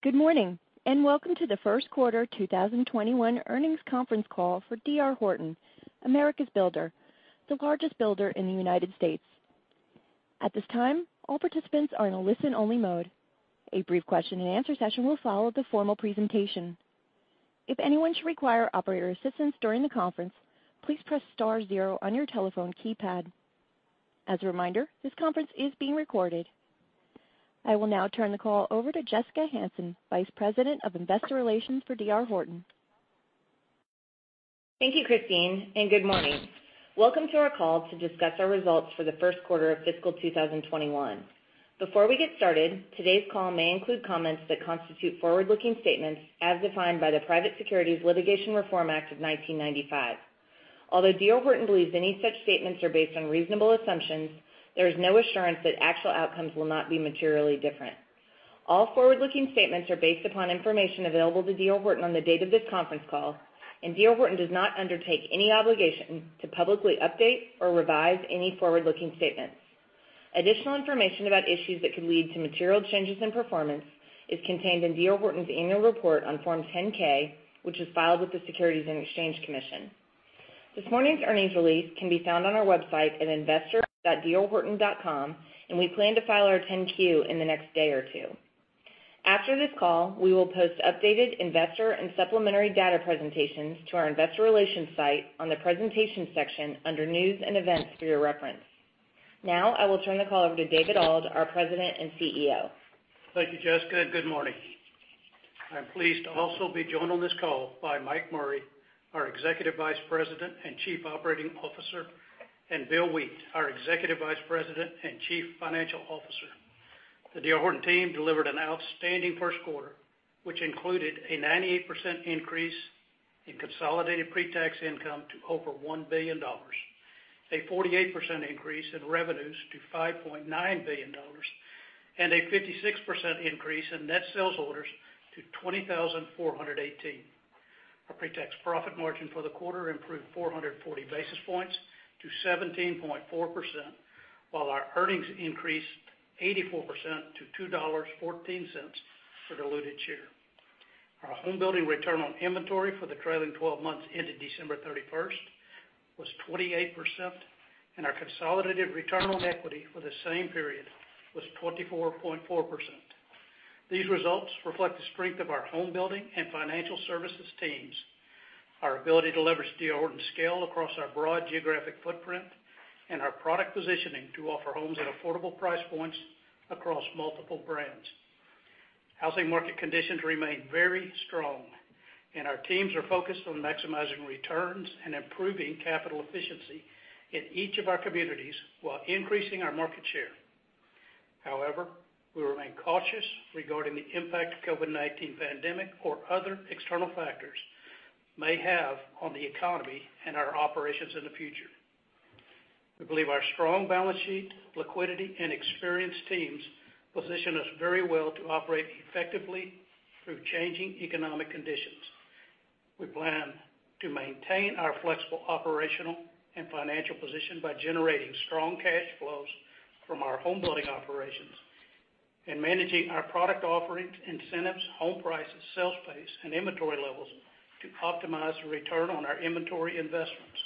Good morning, welcome to the First Quarter 2021 Earnings Conference Call for D.R. Horton, America's builder, the largest builder in the U.S. At this time, all participants are in a listen-only mode. A brief question-and-answer session will follow the formal presentation. If anyone should require operator assistance during the conference, please press star zero on your telephone keypad. As a reminder, this conference is being recorded. I will now turn the call over to Jessica Hansen, Vice President of Investor Relations for D.R. Horton. Thank you, Christine, and good morning. Welcome to our call to discuss our results for the first quarter of fiscal 2021. Before we get started, today's call may include comments that constitute forward-looking statements as defined by the Private Securities Litigation Reform Act of 1995. Although D.R. Horton believes any such statements are based on reasonable assumptions, there is no assurance that actual outcomes will not be materially different. All forward-looking statements are based upon information available to D.R. Horton on the date of this conference call, and D.R. Horton does not undertake any obligation to publicly update or revise any forward-looking statements. Additional information about issues that could lead to material changes in performance is contained in D.R. Horton's annual report on Form 10-K, which is filed with the Securities and Exchange Commission. This morning's earnings release can be found on our website at investor.drhorton.com, and we plan to file our 10-Q in the next day or two. After this call, we will post updated investor and supplementary data presentations to our Investor Relations site on the presentation section under News & Events for your reference. Now, I will turn the call over to David Auld, our President and CEO. Thank you, Jessica, and good morning. I'm pleased to also be joined on this call by Mike Murray, our Executive Vice President and Chief Operating Officer, and Bill Wheat, our Executive Vice President and Chief Financial Officer. The D.R. Horton team delivered an outstanding first quarter, which included a 98% increase in consolidated pre-tax income to over $1 billion, a 48% increase in revenues to $5.9 billion, and a 56% increase in net sales orders to 20,418. Our pre-tax profit margin for the quarter improved 440 basis points to 17.4%, while our earnings increased 84% to $2.14 for diluted share. Our homebuilding return on inventory for the trailing 12 months into December 31st was 28%, and our consolidated return on equity for the same period was 24.4%. These results reflect the strength of our homebuilding and financial services teams, our ability to leverage D.R. Horton's scale across our broad geographic footprint, and our product positioning to offer homes at affordable price points across multiple brands. Housing market conditions remain very strong, and our teams are focused on maximizing returns and improving capital efficiency in each of our communities while increasing our market share. However, we remain cautious regarding the impact COVID-19 pandemic or other external factors may have on the economy and our operations in the future. We believe our strong balance sheet, liquidity, and experienced teams position us very well to operate effectively through changing economic conditions. We plan to maintain our flexible operational and financial position by generating strong cash flows from our homebuilding operations and managing our product offerings, incentives, home prices, sales pace, and inventory levels to optimize the return on our inventory investments.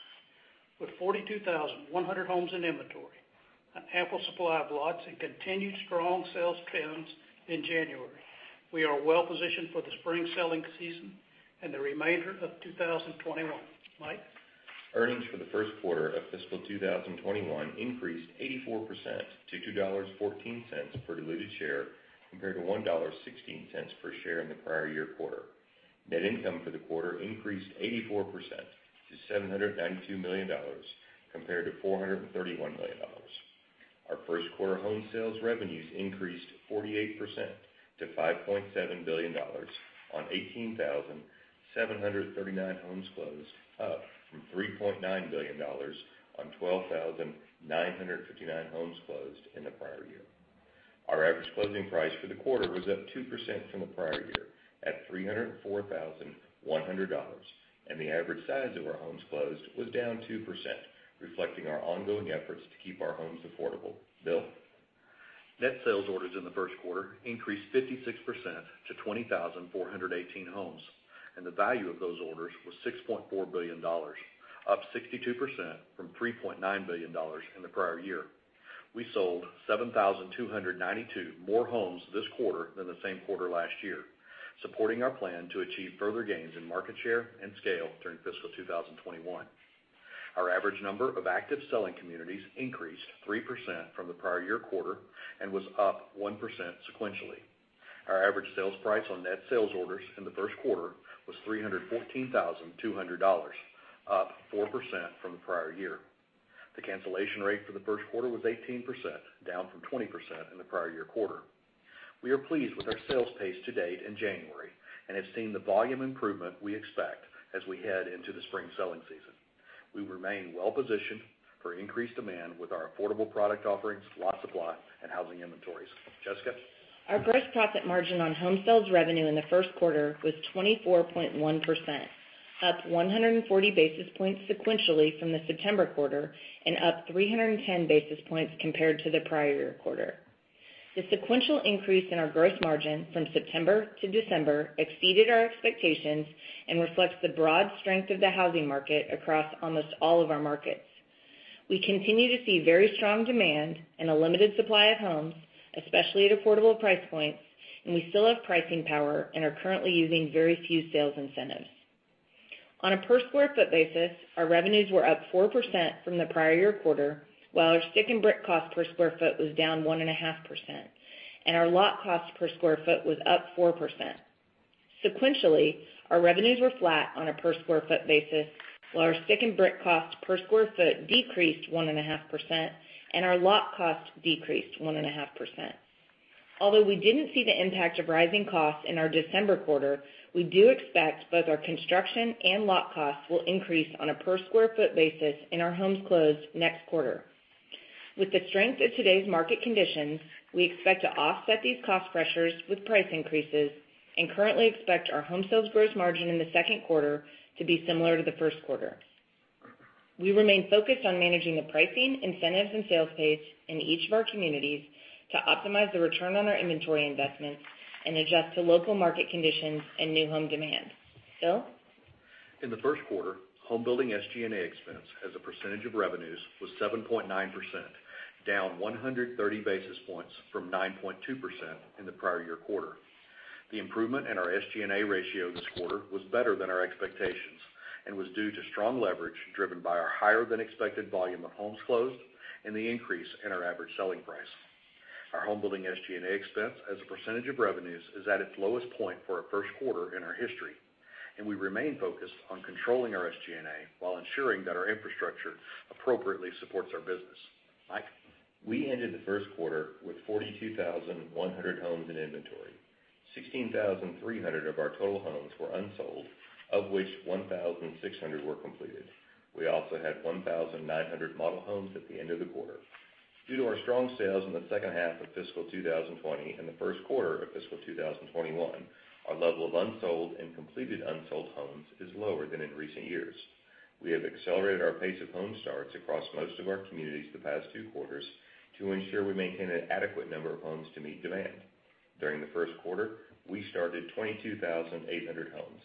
With 42,100 homes in inventory, an ample supply of lots, and continued strong sales trends in January, we are well positioned for the spring selling season and the remainder of 2021. Mike? Earnings for the first quarter of fiscal 2021 increased 84% to $2.14 per diluted share, compared to $1.16 per share in the prior year quarter. Net income for the quarter increased 84% to $792 million, compared to $431 million. Our first quarter home sales revenues increased 48% to $5.7 billion on 18,739 homes closed, up from $3.9 billion on 12,959 homes closed in the prior year. Our average closing price for the quarter was up 2% from the prior year at $304,100, and the average size of our homes closed was down 2%, reflecting our ongoing efforts to keep our homes affordable. Bill? Net sales orders in the first quarter increased 56% to 20,418 homes, and the value of those orders was $6.4 billion, up 62% from $3.9 billion in the prior year. We sold 7,292 more homes this quarter than the same quarter last year, supporting our plan to achieve further gains in market share and scale during fiscal 2021. Our average number of active selling communities increased 3% from the prior year quarter and was up 1% sequentially. Our average sales price on net sales orders in the first quarter was $314,200, up 4% from the prior year. The cancellation rate for the first quarter was 18%, down from 20% in the prior year quarter. We are pleased with our sales pace to date in January and have seen the volume improvement we expect as we head into the spring selling season. We remain well-positioned for increased demand with our affordable product offerings, lot supply, and housing inventories. Jessica? Our gross profit margin on home sales revenue in the first quarter was 24.1%. Up 140 basis points sequentially from the September quarter, and up 310 basis points compared to the prior year quarter. The sequential increase in our gross margin from September-December exceeded our expectations and reflects the broad strength of the housing market across almost all of our markets. We continue to see very strong demand and a limited supply of homes, especially at affordable price points, and we still have pricing power and are currently using very few sales incentives. On a per square foot basis, our revenues were up 4% from the prior year quarter, while our stick and brick cost per square foot was down 1.5%, and our lot cost per square foot was up 4%. Sequentially, our revenues were flat on a per square foot basis, while our stick and brick cost per square foot decreased 1.5%, and our lot cost decreased 1.5%. Although we didn't see the impact of rising costs in our December quarter, we do expect both our construction and lot costs will increase on a per square foot basis in our homes closed next quarter. With the strength of today's market conditions, we expect to offset these cost pressures with price increases and currently expect our home sales gross margin in the second quarter to be similar to the first quarter. We remain focused on managing the pricing, incentives, and sales pace in each of our communities to optimize the return on our inventory investments and adjust to local market conditions and new home demand. Bill? In the first quarter, homebuilding SG&A expense as a percentage of revenues was 7.9%, down 130 basis points from 9.2% in the prior year quarter. The improvement in our SG&A ratio this quarter was better than our expectations and was due to strong leverage driven by our higher-than-expected volume of homes closed and the increase in our average selling price. Our homebuilding SG&A expense as a percentage of revenues is at its lowest point for a first quarter in our history, and we remain focused on controlling our SG&A while ensuring that our infrastructure appropriately supports our business. Mike? We ended the first quarter with 42,100 homes in inventory. 16,300 of our total homes were unsold, of which 1,600 were completed. We also had 1,900 model homes at the end of the quarter. Due to our strong sales in the second half of fiscal 2020 and the first quarter of fiscal 2021, our level of unsold and completed unsold homes is lower than in recent years. We have accelerated our pace of home starts across most of our communities the past two quarters to ensure we maintain an adequate number of homes to meet demand. During the first quarter, we started 22,800 homes.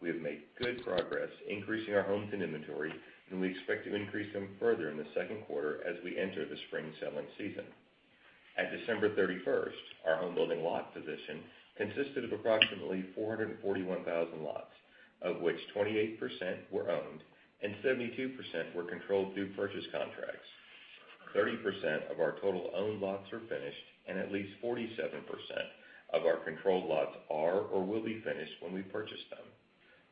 We have made good progress increasing our homes in inventory, and we expect to increase them further in the second quarter as we enter the spring selling season. At December 31st, our homebuilding lot position consisted of approximately 441,000 lots, of which 28% were owned and 72% were controlled through purchase contracts. 30% of our total owned lots are finished, and at least 47% of our controlled lots are or will be finished when we purchase them.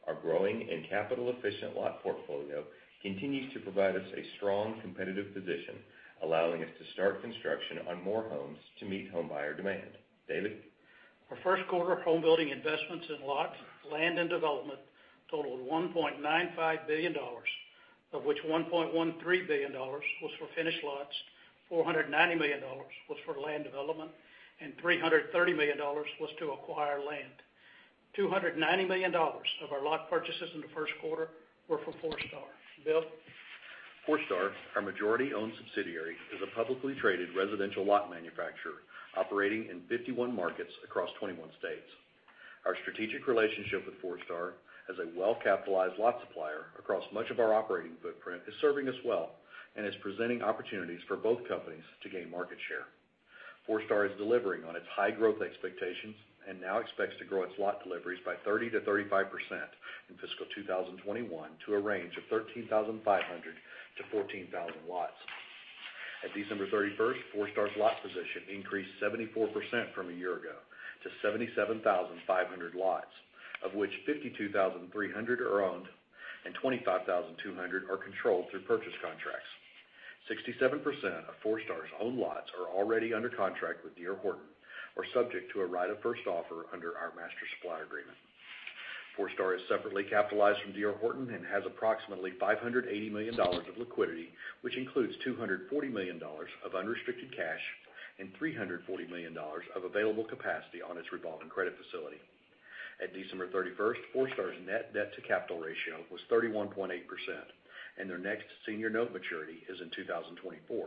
Our growing and capital-efficient lot portfolio continues to provide us a strong competitive position, allowing us to start construction on more homes to meet homebuyer demand. David? Our first quarter homebuilding investments in lots, land, and development totaled $1.95 billion, of which $1.13 billion was for finished lots, $490 million was for land development, and $330 million was to acquire land. $290 million of our lot purchases in the first quarter were for Forestar. Bill? Forestar, our majority-owned subsidiary, is a publicly traded residential lot manufacturer operating in 51 markets across 21 states. Our strategic relationship with Forestar as a well-capitalized lot supplier across much of our operating footprint is serving us well and is presenting opportunities for both companies to gain market share. Forestar is delivering on its high growth expectations and now expects to grow its lot deliveries by 30%-35% in fiscal 2021 to a range of 13,500-14,000 lots. At December 31st, Forestar's lot position increased 74% from a year ago to 77,500 lots, of which 52,300 are owned and 25,200 are controlled through purchase contracts. 67% of Forestar's owned lots are already under contract with D.R. Horton or subject to a right of first offer under our master supply agreement. Forestar is separately capitalized from D.R. Horton and has approximately $580 million of liquidity, which includes $240 million of unrestricted cash and $340 million of available capacity on its revolving credit facility. At December 31st, Forestar's net debt to capital ratio was 31.8%. Their next senior note maturity is in 2024.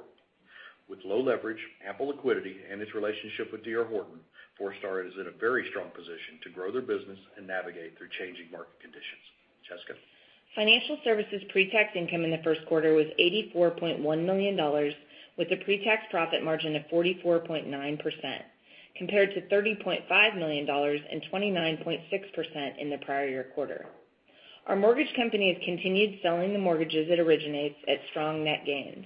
With low leverage, ample liquidity, and its relationship with D.R. Horton, Forestar is in a very strong position to grow their business and navigate through changing market conditions. Jessica? Financial services pre-tax income in the first quarter was $84.1 million, with a pre-tax profit margin of 44.9%, compared to $30.5 million and 29.6% in the prior year quarter. Our mortgage company has continued selling the mortgages it originates at strong net gains.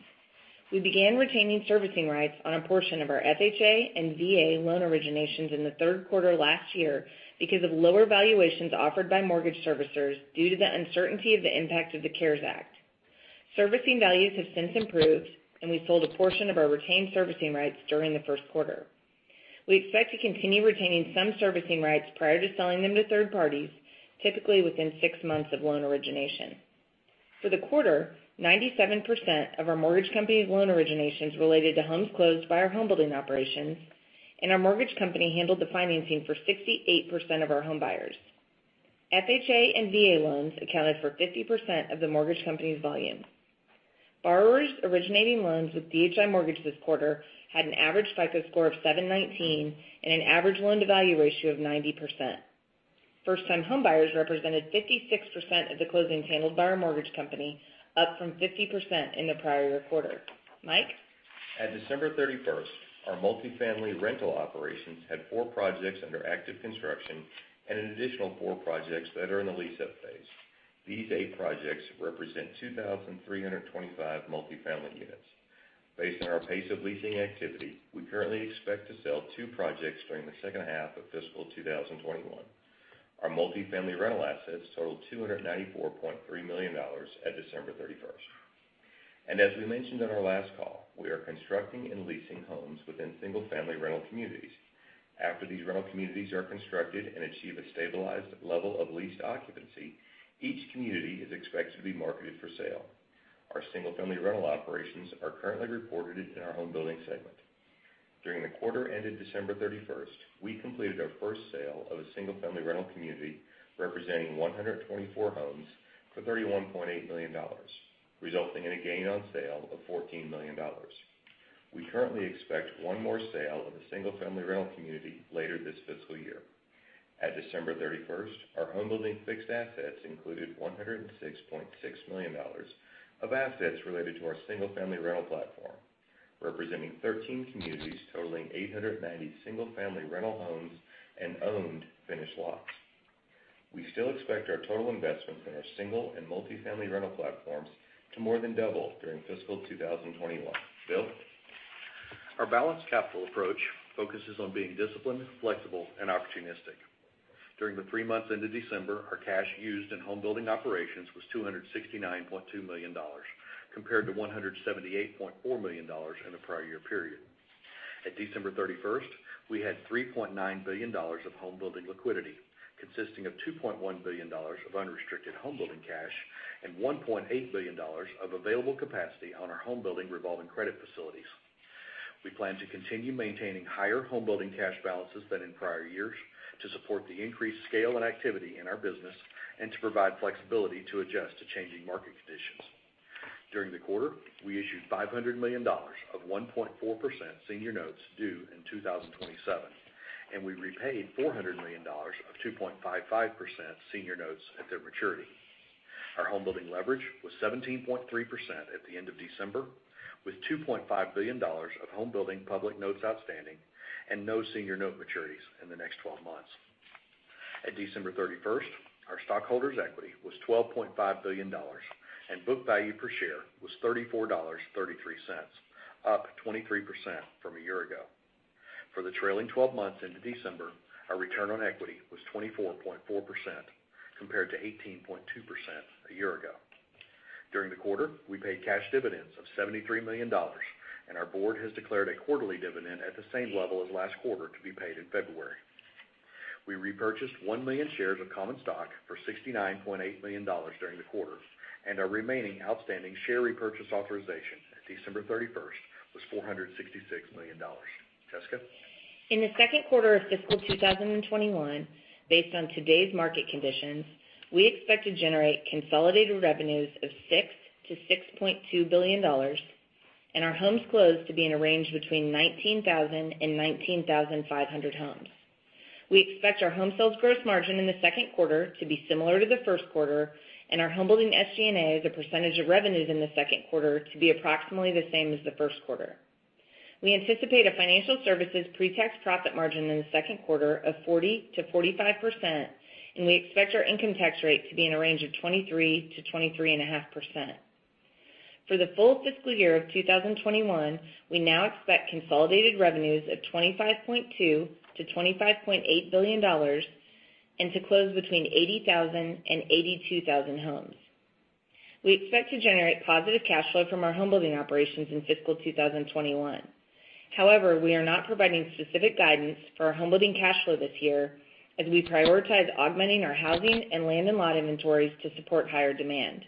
We began retaining servicing rights on a portion of our FHA and VA loan originations in the third quarter last year because of lower valuations offered by mortgage servicers due to the uncertainty of the impact of the CARES Act. Servicing values have since improved, and we sold a portion of our retained servicing rights during the first quarter. We expect to continue retaining some servicing rights prior to selling them to third parties, typically within six months of loan origination. For the quarter, 97% of our mortgage company loan originations related to homes closed by our homebuilding operations, and our mortgage company handled the financing for 68% of our home buyers. FHA and VA loans accounted for 50% of the mortgage company's volume. Borrowers originating loans with DHI Mortgage this quarter had an average FICO score of 719 and an average loan-to-value ratio of 90%. First-time homebuyers represented 56% of the closings handled by our mortgage company, up from 50% in the prior year quarter. Mike? At December 31st, our multifamily rental operations had four projects under active construction and an additional four projects that are in the lease-up phase. These eight projects represent 2,325 multifamily units. Based on our pace of leasing activity, we currently expect to sell two projects during the second half of fiscal 2021. Our multifamily rental assets totaled $294.3 million at December 31st. As we mentioned on our last call, we are constructing and leasing homes within single-family rental communities. After these rental communities are constructed and achieve a stabilized level of leased occupancy, each community is expected to be marketed for sale. Our single-family rental operations are currently reported in our homebuilding segment. During the quarter ended December 31st, we completed our first sale of a single-family rental community, representing 124 homes for $31.8 million, resulting in a gain on sale of $14 million. We currently expect one more sale of a single-family rental community later this fiscal year. At December 31st, our homebuilding fixed assets included $106.6 million of assets related to our single-family rental platform, representing 13 communities totaling 890 single-family rental homes and owned finished lots. We still expect our total investments in our single and multifamily rental platforms to more than double during fiscal 2021. Bill? Our balanced capital approach focuses on being disciplined, flexible, and opportunistic. During the three months ended December, our cash used in homebuilding operations was $269.2 million, compared to $178.4 million in the prior year period. At December 31st, we had $3.9 billion of homebuilding liquidity, consisting of $2.1 billion of unrestricted homebuilding cash and $1.8 billion of available capacity on our homebuilding revolving credit facilities. We plan to continue maintaining higher homebuilding cash balances than in prior years to support the increased scale and activity in our business and to provide flexibility to adjust to changing market conditions. During the quarter, we issued $500 million of 1.4% senior notes due in 2027, and we repaid $400 million of 2.55% senior notes at their maturity. Our homebuilding leverage was 17.3% at the end of December, with $2.5 billion of homebuilding public notes outstanding and no senior note maturities in the next 12 months. At December 31st, our stockholders' equity was $12.5 billion, and book value per share was $34.33, up 23% from a year ago. For the trailing 12 months into December, our return on equity was 24.4%, compared to 18.2% a year ago. During the quarter, we paid cash dividends of $73 million, and our board has declared a quarterly dividend at the same level as last quarter to be paid in February. We repurchased 1 million shares of common stock for $69.8 million during the quarter, and our remaining outstanding share repurchase authorization at December 31st was $466 million. Jessica? In the second quarter of fiscal 2021, based on today's market conditions, we expect to generate consolidated revenues of $6 billion-$6.2 billion and our homes closed to be in a range between 19,000 and 19,500 homes. We expect our home sales gross margin in the second quarter to be similar to the first quarter, and our homebuilding SG&A as a percentage of revenues in the second quarter to be approximately the same as the first quarter. We anticipate a financial services pre-tax profit margin in the second quarter of 40%-45%, and we expect our income tax rate to be in a range of 23%-23.5%. For the full fiscal year 2021, we now expect consolidated revenues of $25.2 billion-$25.8 billion and to close between 80,000 and 82,000 homes. We expect to generate positive cash flow from our homebuilding operations in fiscal 2021. However, we are not providing specific guidance for our homebuilding cash flow this year as we prioritize augmenting our housing and land and lot inventories to support higher demand.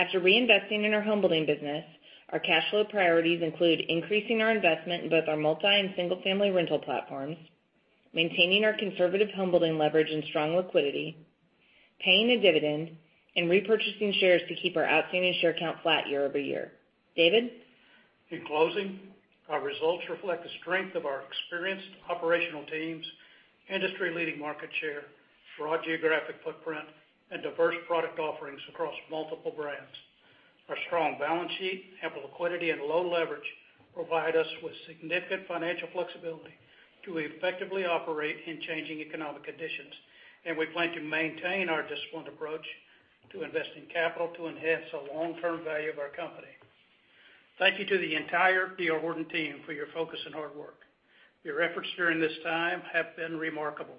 After reinvesting in our homebuilding business, our cash flow priorities include increasing our investment in both our multi- and single-family rental platforms, maintaining our conservative homebuilding leverage and strong liquidity, paying a dividend, and repurchasing shares to keep our outstanding share count flat year-over-year. David? In closing, our results reflect the strength of our experienced operational teams, industry-leading market share, broad geographic footprint, and diverse product offerings across multiple brands. Our strong balance sheet, ample liquidity, and low leverage provide us with significant financial flexibility to effectively operate in changing economic conditions. We plan to maintain our disciplined approach to investing capital to enhance the long-term value of our company. Thank you to the entire D.R. Horton team for your focus and hard work. Your efforts during this time have been remarkable.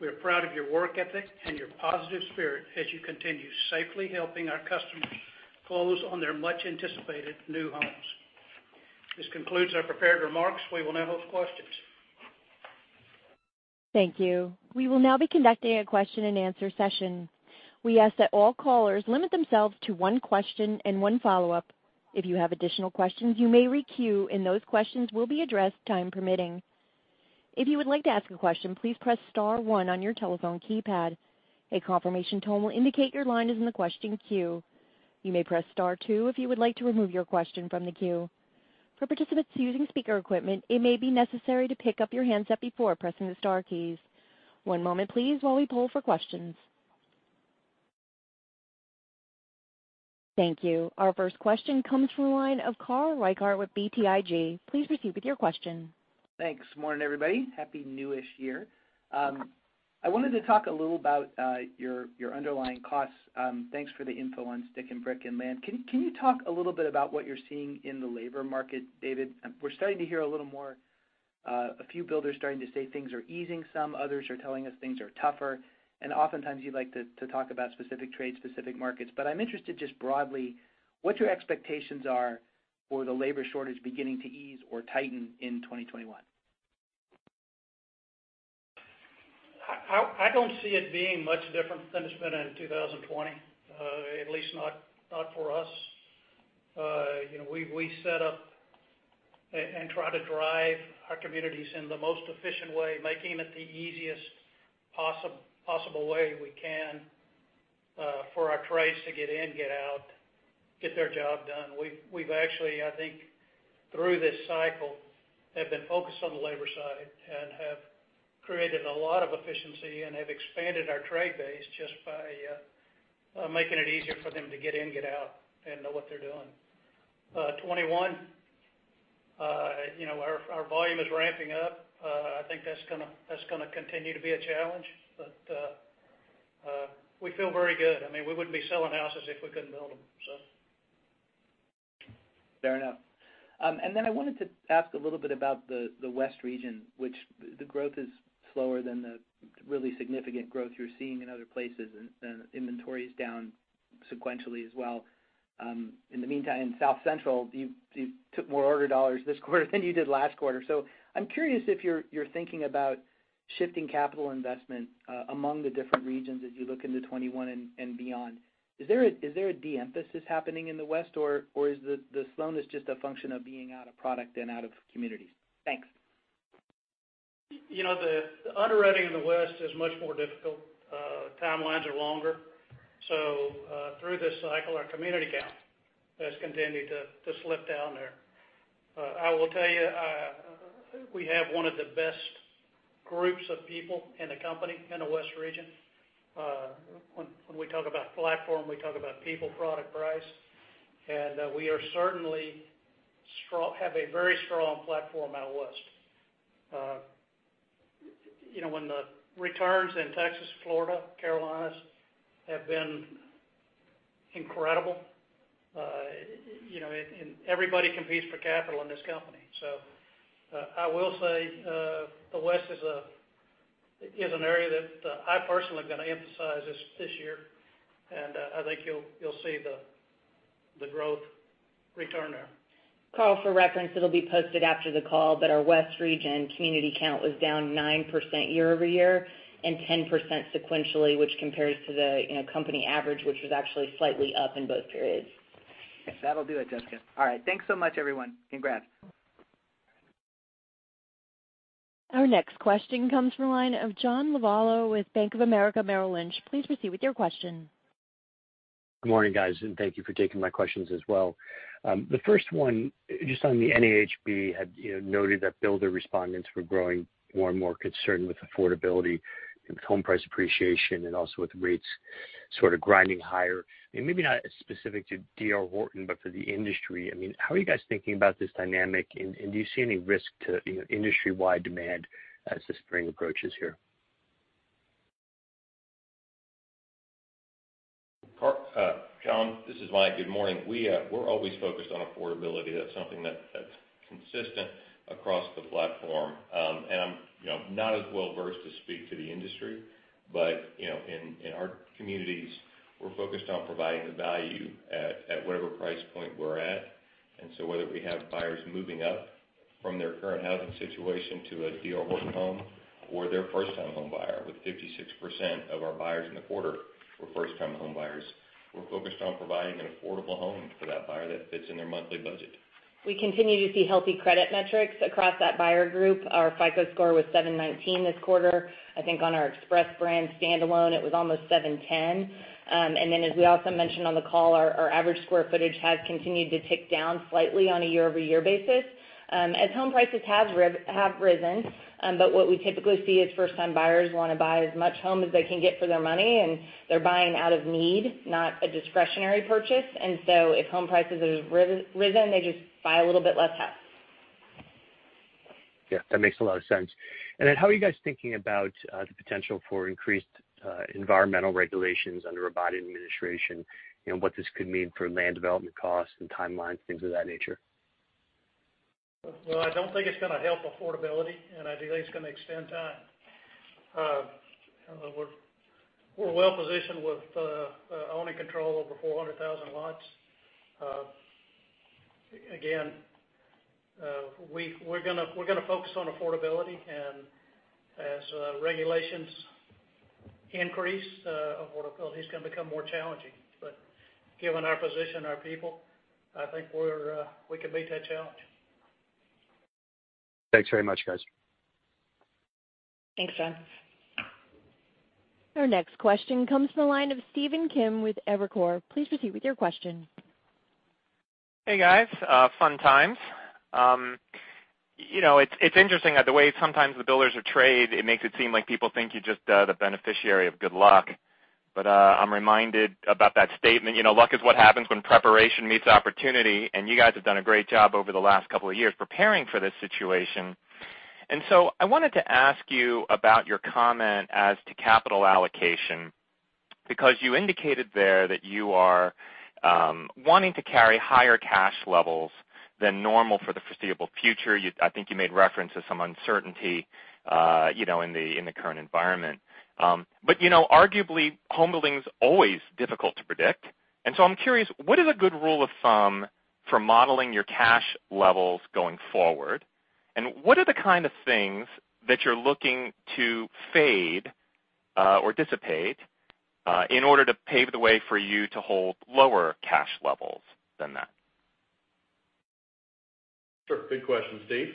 We are proud of your work ethic and your positive spirit as you continue safely helping our customers close on their much-anticipated new homes. This concludes our prepared remarks. We will now host questions Thank you. We will now be conducting a question-and-answer session. We ask that all callers limit themselves to one question and one follow-up. If you have additional questions, you may re-queue, and those questions will be addressed, time permitting. If you would like to ask a question, please press star one on your telephone keypad. A confirmation tone will indicate your line is in the question queue. You may press star two if you would like to remove your question from the queue. For participants using speaker equipment, it may be necessary to pick up your handset before pressing the star keys. One moment please while we poll for questions. Thank you. Our first question comes from the line of Carl Reichardt with BTIG. Please proceed with your question. Thanks. Morning, everybody. Happy new-ish year. I wanted to talk a little about your underlying costs. Thanks for the info on stick and brick and land. Can you talk a little bit about what you're seeing in the labor market, David? We're starting to hear a little more, a few builders starting to say things are easing some. Others are telling us things are tougher, and oftentimes you like to talk about specific trades, specific markets. I'm interested just broadly what your expectations are for the labor shortage beginning to ease or tighten in 2021. I don't see it being much different than it's been in 2020, at least not for us. We set up and try to drive our communities in the most efficient way, making it the easiest possible way we can for our trades to get in, get out, get their job done. We've actually, I think, through this cycle, have been focused on the labor side and have created a lot of efficiency and have expanded our trade base just by making it easier for them to get in, get out, and know what they're doing. 2021, our volume is ramping up. I think that's going to continue to be a challenge. We feel very good. We wouldn't be selling houses if we couldn't build them. Fair enough. I wanted to ask a little bit about the West region, which the growth is slower than the really significant growth you're seeing in other places, and inventory is down sequentially as well. In the meantime, South Central, you took more order dollars this quarter than you did last quarter. I'm curious if you're thinking about shifting capital investment among the different regions as you look into 2021 and beyond. Is there a de-emphasis happening in the West, or is the slowness just a function of being out of product and out of communities? Thanks. The underwriting in the West is much more difficult. Timelines are longer. Through this cycle, our community count has continued to slip down there. I will tell you, I think we have one of the best groups of people in the company in the West region. When we talk about platform, we talk about people, product, price, and we certainly have a very strong platform out West. When the returns in Texas, Florida, Carolinas have been incredible, and everybody competes for capital in this company. I will say the West is an area that I personally am going to emphasize this year, and I think you'll see the growth return there. Carl, for reference, it'll be posted after the call, our West region community count was down 9% year-over-year and 10% sequentially, which compares to the company average, which was actually slightly up in both periods. That'll do it, Jessica. All right. Thanks so much, everyone. Congrats. Our next question comes from the line of John Lovallo with Bank of America Merrill Lynch. Please proceed with your question. Good morning, guys, thank you for taking my questions as well. The first one, just on the NAHB, had noted that builder respondents were growing more and more concerned with affordability, with home price appreciation, and also with rates sort of grinding higher. Maybe not as specific to D.R. Horton, but for the industry, how are you guys thinking about this dynamic, and do you see any risk to industry-wide demand as the spring approaches here? John, this is Mike. Good morning. We're always focused on affordability. That's something that's consistent across the platform. I'm not as well-versed to speak to the industry. In our communities, we're focused on providing the value at whatever price point we're at. Whether we have buyers moving up from their current housing situation to a D.R. Horton home or they're a first-time homebuyer, with 56% of our buyers in the quarter were first-time homebuyers, we're focused on providing an affordable home for that buyer that fits in their monthly budget. We continue to see healthy credit metrics across that buyer group. Our FICO score was 719 this quarter. I think on our Express brand standalone, it was almost 710. Then as we also mentioned on the call, our average square footage has continued to tick down slightly on a year-over-year basis as home prices have risen. What we typically see is first-time buyers want to buy as much home as they can get for their money, and they're buying out of need, not a discretionary purchase. If home prices have risen, they just buy a little bit less house. Yeah, that makes a lot of sense. How are you guys thinking about the potential for increased environmental regulations under a Biden administration and what this could mean for land development costs and timelines, things of that nature? I don't think it's going to help affordability, and I think it's going to extend time. We're well-positioned with owning control over 400,000 lots. We're going to focus on affordability, and as regulations increase, affordability is going to become more challenging. Given our position, our people, I think we can meet that challenge. Thanks very much, guys. Thanks, John. Our next question comes from the line of Stephen Kim with Evercore. Please proceed with your question. Hey, guys. Fun times. It is interesting that the way sometimes the builders are traded, it makes it seem like people think you're just the beneficiary of good luck. I am reminded about that statement, luck is what happens when preparation meets opportunity, and you guys have done a great job over the last couple of years preparing for this situation. I wanted to ask you about your comment as to capital allocation, because you indicated there that you are wanting to carry higher cash levels than normal for the foreseeable future. I think you made reference to some uncertainty in the current environment. Arguably, homebuilding's always difficult to predict. I am curious, what is a good rule of thumb for modeling your cash levels going forward? What are the kind of things that you're looking to fade or dissipate in order to pave the way for you to hold lower cash levels than that? Sure. Big question, Steve.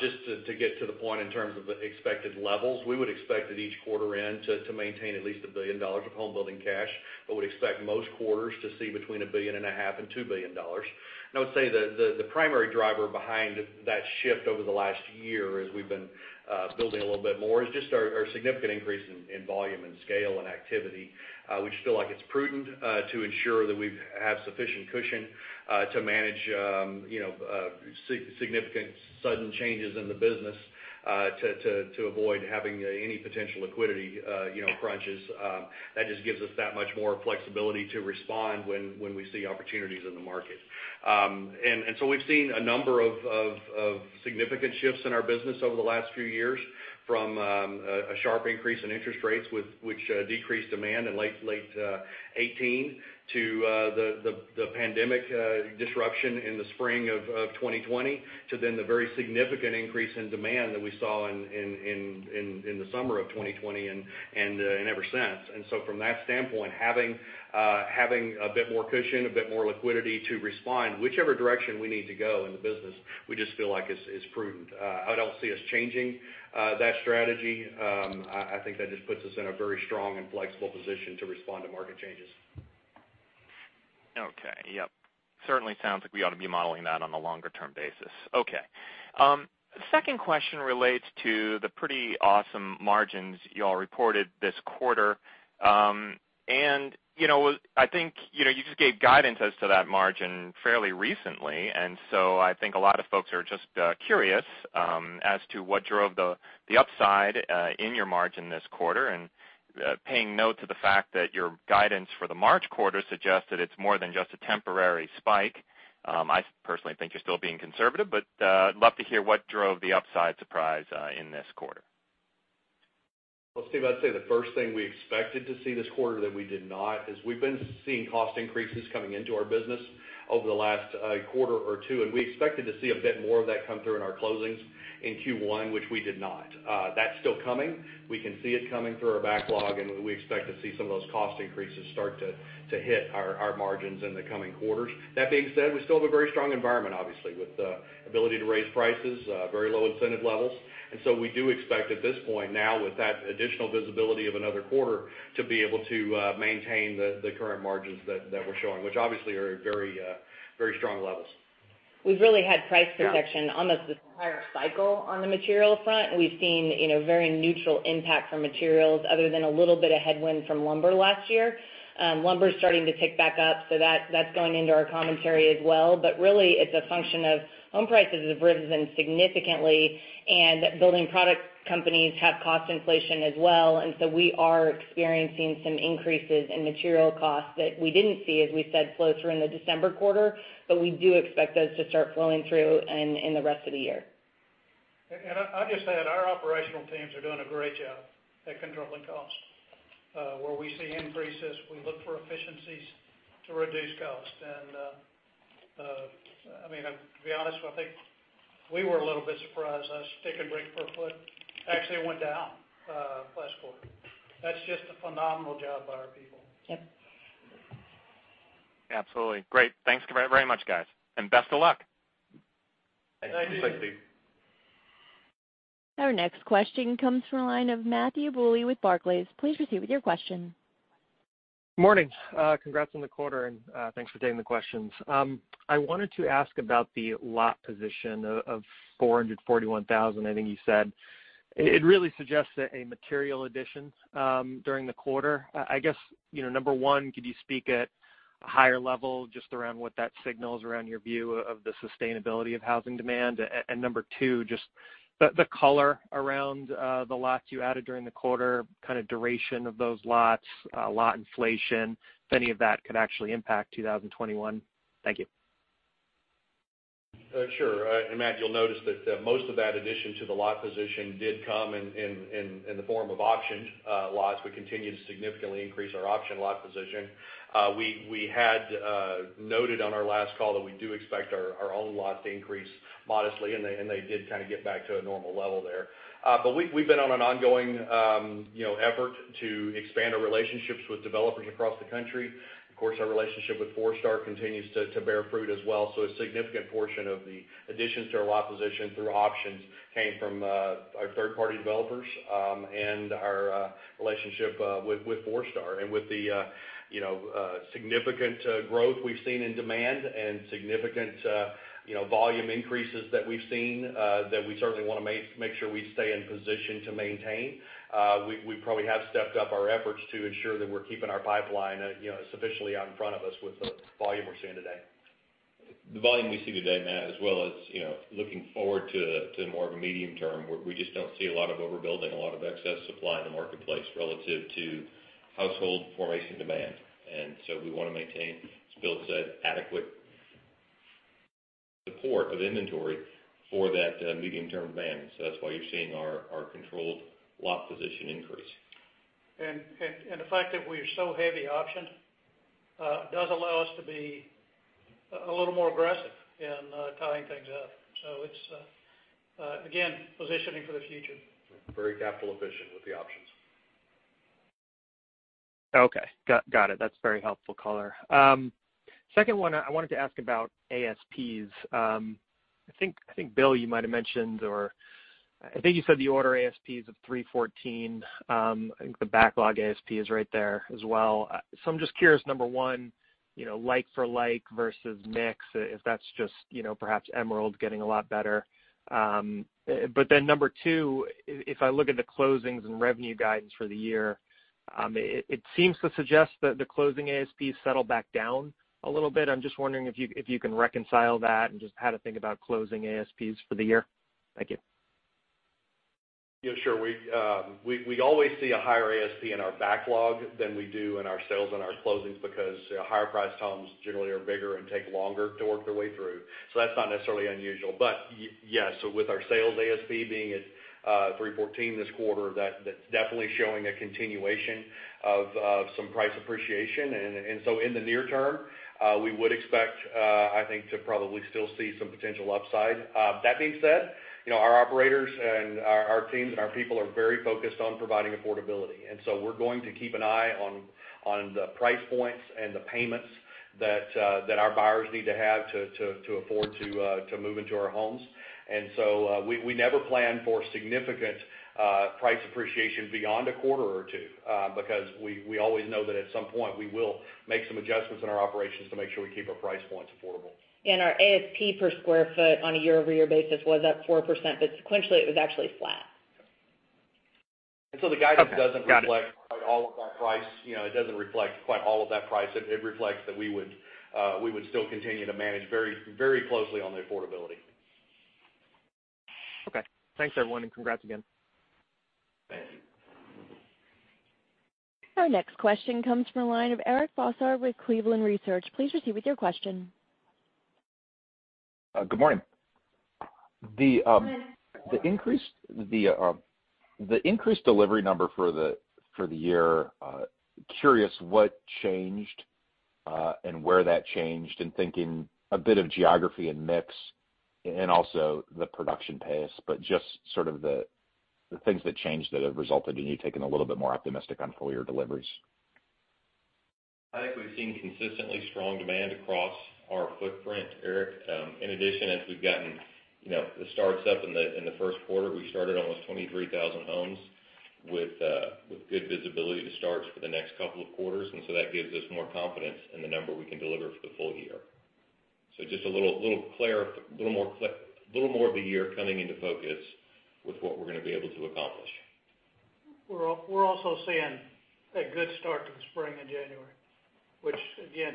Just to get to the point in terms of the expected levels, we would expect at each quarter end to maintain at least $1 billion of homebuilding cash, but would expect most quarters to see between $1.5 billion and $2 billion. I would say the primary driver behind that shift over the last year, as we've been building a little bit more, is just our significant increase in volume, in scale, and activity. We just feel like it's prudent to ensure that we have sufficient cushion to manage significant sudden changes in the business to avoid having any potential liquidity crunches. That just gives us that much more flexibility to respond when we see opportunities in the market. We've seen a number of significant shifts in our business over the last few years, from a sharp increase in interest rates, which decreased demand in late 2018, to the pandemic disruption in the spring of 2020, to then the very significant increase in demand that we saw in the summer of 2020 and ever since. From that standpoint, having a bit more cushion, a bit more liquidity to respond whichever direction we need to go in the business, we just feel like is prudent. I don't see us changing that strategy. I think that just puts us in a very strong and flexible position to respond to market changes. Okay. Yep. Certainly sounds like we ought to be modeling that on a longer-term basis. Okay. Second question relates to the pretty awesome margins you all reported this quarter. I think you just gave guidance as to that margin fairly recently, and so I think a lot of folks are just curious as to what drove the upside in your margin this quarter, and paying note to the fact that your guidance for the March quarter suggests that it's more than just a temporary spike. I personally think you're still being conservative, but I'd love to hear what drove the upside surprise in this quarter. Well, Steve, I'd say the first thing we expected to see this quarter that we did not is we've been seeing cost increases coming into our business over the last quarter or two. We expected to see a bit more of that come through in our closings in Q1, which we did not. That's still coming. We can see it coming through our backlog. We expect to see some of those cost increases start to hit our margins in the coming quarters. That being said, we still have a very strong environment, obviously, with the ability to raise prices, very low incentive levels. We do expect at this point now with that additional visibility of another quarter, to be able to maintain the current margins that we're showing, which obviously are at very strong levels. We've really had price protection. Yeah. Almost this entire cycle on the material front. We've seen very neutral impact from materials other than a little bit of headwind from lumber last year. Lumber's starting to tick back up, so that's going into our commentary as well. Really, it's a function of home prices have risen significantly, and building product companies have cost inflation as well, and so we are experiencing some increases in material costs that we didn't see, as we said, flow through in the December quarter. We do expect those to start flowing through in the rest of the year. I'll just add, our operational teams are doing a great job at controlling cost. Where we see increases, we look for efficiencies to reduce cost. To be honest, I think we were a little bit surprised. Our stick and brick per foot actually went down last quarter. That's just a phenomenal job by our people. Yep. Absolutely. Great. Thanks very much, guys. Best of luck. Thanks, Steve. Thank you. Our next question comes from the line of Matthew Bouley with Barclays. Please proceed with your question. Morning. Congrats on the quarter, thanks for taking the questions. I wanted to ask about the lot position of 441,000, I think you said. It really suggests a material addition during the quarter. I guess, number one, could you speak at a higher level just around what that signals around your view of the sustainability of housing demand? Number two, just the color around the lots you added during the quarter, kind of duration of those lots, lot inflation. If any of that could actually impact 2021. Thank you. Sure. Matt, you'll notice that most of that addition to the lot position did come in the form of option lots. We continue to significantly increase our option lot position. We had noted on our last call that we do expect our own lots to increase modestly, they did kind of get back to a normal level there. We've been on an ongoing effort to expand our relationships with developers across the country. Of course, our relationship with Forestar continues to bear fruit as well. A significant portion of the additions to our lot position through options came from our third-party developers and our relationship with Forestar. With the significant growth we've seen in demand and significant volume increases that we've seen, that we certainly want to make sure we stay in position to maintain. We probably have stepped up our efforts to ensure that we're keeping our pipeline sufficiently out in front of us with the volume we're seeing today. The volume we see today, Matt, as well as looking forward to more of a medium term, we just don't see a lot of overbuilding, a lot of excess supply in the marketplace relative to household formation demand. We want to maintain, as Bill said, adequate support of inventory for that medium-term demand. That's why you're seeing our controlled lot position increase. The fact that we are so heavy optioned does allow us to be a little more aggressive in tying things up. It's, again, positioning for the future. Very capital efficient with the options. Okay. Got it. That's very helpful color. Second one, I wanted to ask about ASPs. I think, Bill, you might have mentioned, or I think you said the order ASP is of $314. I think the backlog ASP is right there as well. I'm just curious, number one, like for like versus mix, if that's just perhaps Emerald getting a lot better. Number two, if I look at the closings and revenue guidance for the year, it seems to suggest that the closing ASPs settle back down a little bit. I'm just wondering if you can reconcile that and just how to think about closing ASPs for the year. Thank you. Yeah, sure. We always see a higher ASP in our backlog than we do in our sales and our closings because higher priced homes generally are bigger and take longer to work their way through. That's not necessarily unusual. Yeah, with our sales ASP being at $314 this quarter, that's definitely showing a continuation of some price appreciation. In the near term, we would expect, I think, to probably still see some potential upside. That being said, our operators and our teams and our people are very focused on providing affordability, and so we're going to keep an eye on the price points and the payments that our buyers need to have to afford to move into our homes. We never plan for significant price appreciation beyond a quarter or two because we always know that at some point, we will make some adjustments in our operations to make sure we keep our price points affordable. Our ASP per square foot on a year-over-year basis was up 4%, but sequentially, it was actually flat. The guidance doesn't reflect- Okay. Got it. Quite all of that price. It doesn't reflect quite all of that price. It reflects that we would still continue to manage very closely on the affordability. Okay. Thanks, everyone, and congrats again. Thanks. Our next question comes from the line of Eric Bosshard with Cleveland Research. Please proceed with your question. Good morning. The increased delivery number for the year, curious what changed and where that changed in thinking a bit of geography and mix and also the production pace, but just sort of the things that changed that have resulted in you taking a little bit more optimistic on full year deliveries. I think we've seen consistently strong demand across our footprint, Eric. In addition, as we've gotten the starts up in the first quarter, we started almost 23,000 homes with good visibility to starts for the next couple of quarters, that gives us more confidence in the number we can deliver for the full year. Just a little more of the year coming into focus with what we're going to be able to accomplish. We're also seeing a good start to the spring in January, which again,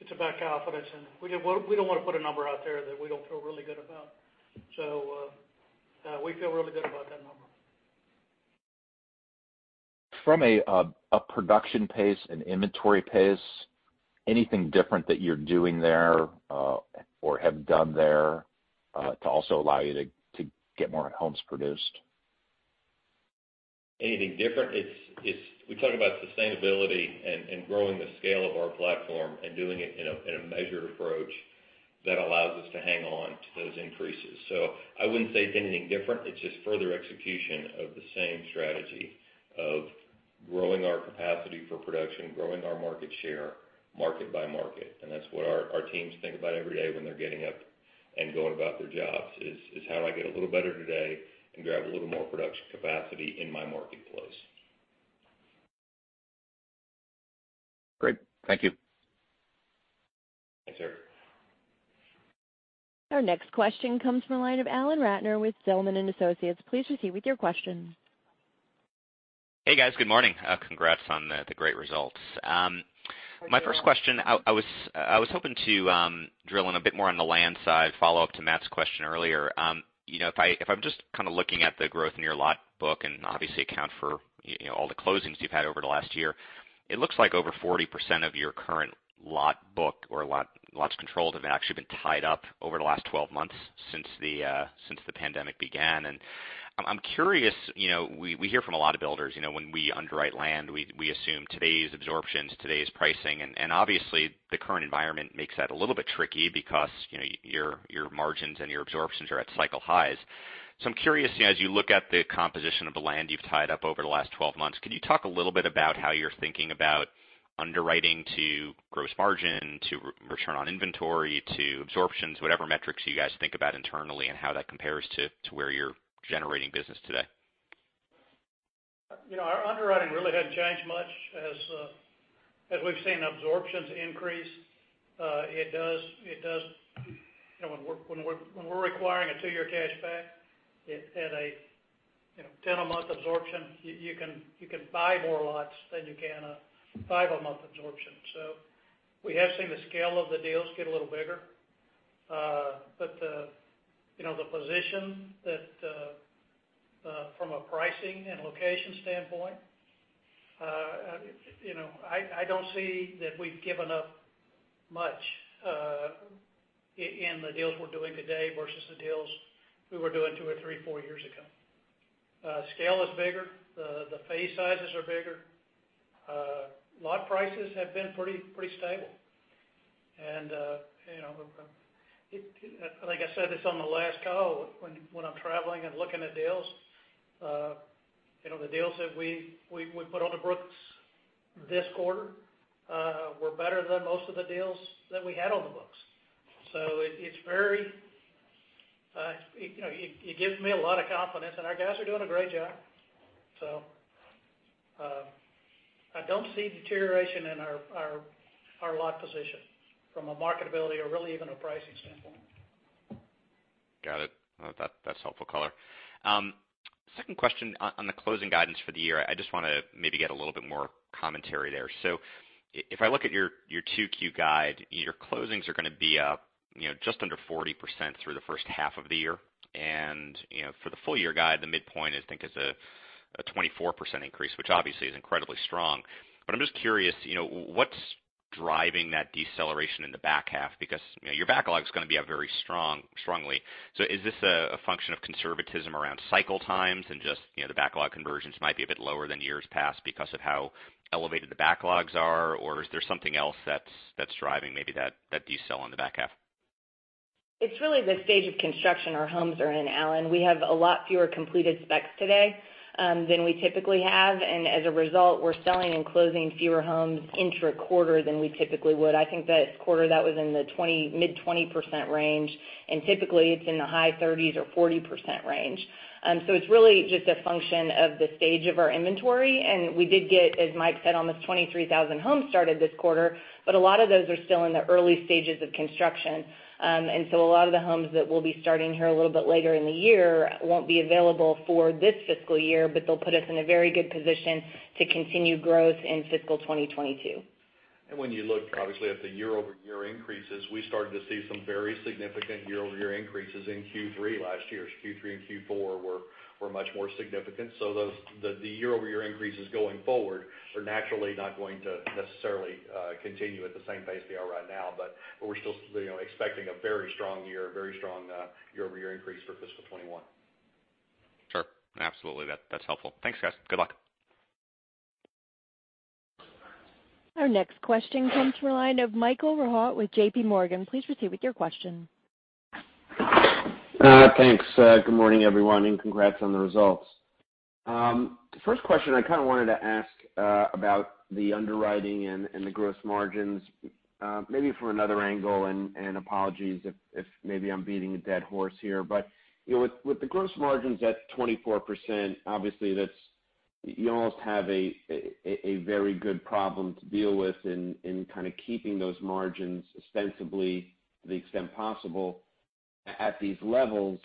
it's about confidence, we don't want to put a number out there that we don't feel really good about. We feel really good about that number. From a production pace and inventory pace, anything different that you're doing there or have done there to also allow you to get more homes produced? Anything different? We talk about sustainability and growing the scale of our platform and doing it in a measured approach that allows us to hang on to those increases. I wouldn't say it's anything different. It's just further execution of the same strategy of growing our capacity for production, growing our market share, market by market. That's what our teams think about every day when they're getting up and going about their jobs is, how do I get a little better today and grab a little more production capacity in my marketplace? Great. Thank you. Thanks, Eric. Our next question comes from the line of Alan Ratner with Zelman & Associates. Please proceed with your question. Hey, guys. Good morning. Congrats on the great results. My first question, I was hoping to drill in a bit more on the land side, follow up to Matt's question earlier. If I'm just kind of looking at the growth in your lot book and obviously account for all the closings you've had over the last year, it looks like over 40% of your current lot book or lots controlled have actually been tied up over the last 12 months since the pandemic began. I'm curious, we hear from a lot of builders, when we underwrite land, we assume today's absorptions, today's pricing, and obviously the current environment makes that a little bit tricky because your margins and your absorptions are at cycle highs. I'm curious, as you look at the composition of the land you've tied up over the last 12 months, could you talk a little bit about how you're thinking about underwriting to gross margin, to return on inventory, to absorptions, whatever metrics you guys think about internally, and how that compares to where you're generating business today? Our underwriting really hasn't changed much as we've seen absorptions increase. When we're requiring a two-year cash back at a 10-a-month absorption, you can buy more lots than you can a five-a-month absorption. We have seen the scale of the deals get a little bigger. The position that, from a pricing and location standpoint, I don't see that we've given up much in the deals we're doing today versus the deals we were doing two or three, four years ago. Scale is bigger. The phase sizes are bigger. Lot prices have been pretty stable. Like I said this on the last call, when I'm traveling and looking at deals, the deals that we put on the books this quarter were better than most of the deals that we had on the books. It gives me a lot of confidence, and our guys are doing a great job. I don't see deterioration in our lot position from a marketability or really even a pricing standpoint. Got it. That's helpful color. Second question on the closing guidance for the year. I just want to maybe get a little bit more commentary there. If I look at your Q2 guide, your closings are going to be up just under 40% through the first half of the year. For the full year guide, the midpoint, I think, is a 24% increase, which obviously is incredibly strong. I'm just curious, what's driving that deceleration in the back half? Because your backlog's going to be up very strongly. Is this a function of conservatism around cycle times and just the backlog conversions might be a bit lower than years past because of how elevated the backlogs are? Is there something else that's driving maybe that decel in the back half? It's really the stage of construction our homes are in, Alan. We have a lot fewer completed specs today than we typically have, and as a result, we're selling and closing fewer homes intra-quarter than we typically would. I think this quarter that was in the mid-20% range, and typically it's in the high 30% or 40% range. It's really just a function of the stage of our inventory, and we did get, as Mike said, almost 23,000 homes started this quarter, but a lot of those are still in the early stages of construction. A lot of the homes that we'll be starting here a little bit later in the year won't be available for this fiscal year, but they'll put us in a very good position to continue growth in fiscal 2022. When you look, obviously, at the year-over-year increases, we started to see some very significant year-over-year increases in Q3 last year. Q3 and Q4 were much more significant. The year-over-year increases going forward are naturally not going to necessarily continue at the same pace they are right now. We're still expecting a very strong year, a very strong year-over-year increase for fiscal 2021. Sure. Absolutely. That's helpful. Thanks, guys. Good luck. Our next question comes from the line of Michael Rehaut with JPMorgan. Please proceed with your question. Thanks. Good morning, everyone, and congrats on the results. First question, I kind of wanted to ask about the underwriting and the gross margins, maybe from another angle. Apologies if maybe I'm beating a dead horse here. With the gross margins at 24%, obviously you almost have a very good problem to deal with in kind of keeping those margins ostensibly to the extent possible at these levels,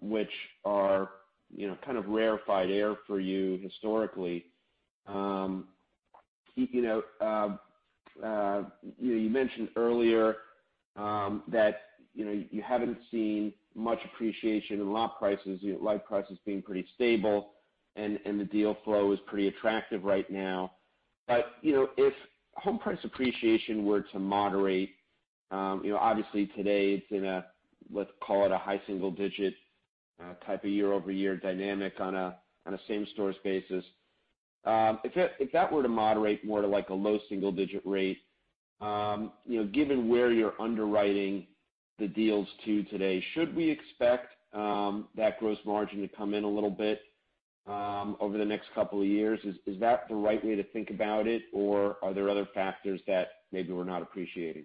which are kind of rarefied air for you historically. You mentioned earlier that you haven't seen much appreciation in lot prices, lot prices being pretty stable, and the deal flow is pretty attractive right now. If home price appreciation were to moderate, obviously today it's in a, let's call it a high single-digit type of year-over-year dynamic on a same-stores basis. If that were to moderate more to like a low single-digit rate, given where you're underwriting the deals to today, should we expect that gross margin to come in a little bit over the next couple of years? Is that the right way to think about it, are there other factors that maybe we're not appreciating?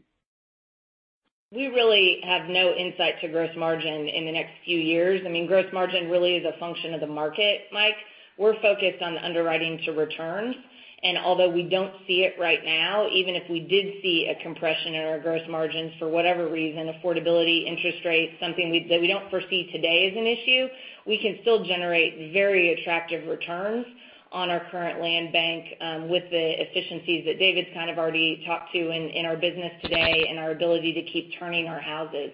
We really have no insight to gross margin in the next few years. I mean, gross margin really is a function of the market, Mike. We're focused on underwriting to returns, and although we don't see it right now, even if we did see a compression in our gross margins for whatever reason, affordability, interest rates, something that we don't foresee today as an issue, we can still generate very attractive returns on our current land bank with the efficiencies that David's kind of already talked to in our business today and our ability to keep turning our houses.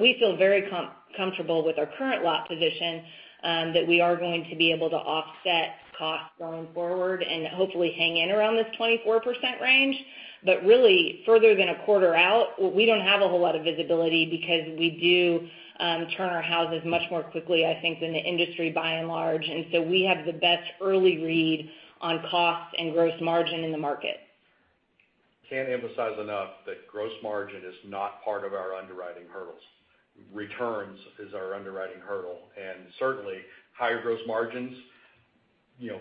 We feel very comfortable with our current lot position that we are going to be able to offset costs going forward and hopefully hang in around this 24% range. Really, further than a quarter out, we don't have a whole lot of visibility because we do turn our houses much more quickly, I think, than the industry by and large. We have the best early read on costs and gross margin in the market. Can't emphasize enough that gross margin is not part of our underwriting hurdles. Returns is our underwriting hurdle, and certainly, higher gross margins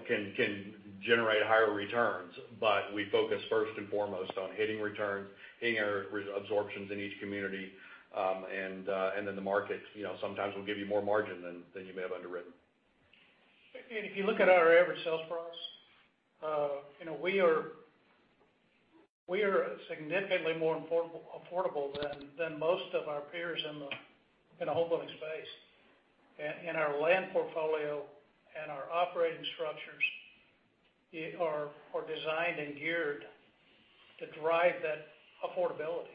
can generate higher returns. We focus first and foremost on hitting returns, hitting our absorptions in each community, and then the market sometimes will give you more margin than you may have underwritten. If you look at our average sales price, we are significantly more affordable than most of our peers in the homebuilding space. Our land portfolio and our operating structures are designed and geared to drive that affordability.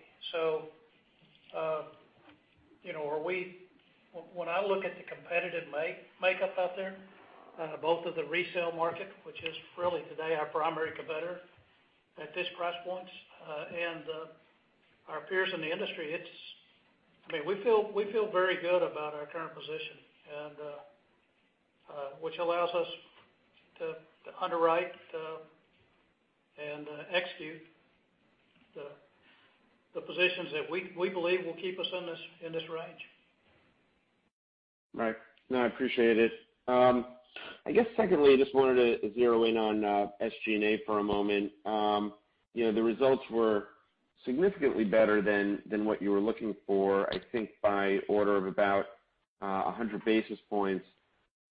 When I look at the competitive makeup out there, both of the resale market, which is really today our primary competitor at this price points, and our peers in the industry, we feel very good about our current position, which allows us to underwrite and execute the positions that we believe will keep us in this range. Right. No, I appreciate it. I guess secondly, just wanted to zero in on SG&A for a moment. The results were significantly better than what you were looking for, I think by order of about 100 basis points,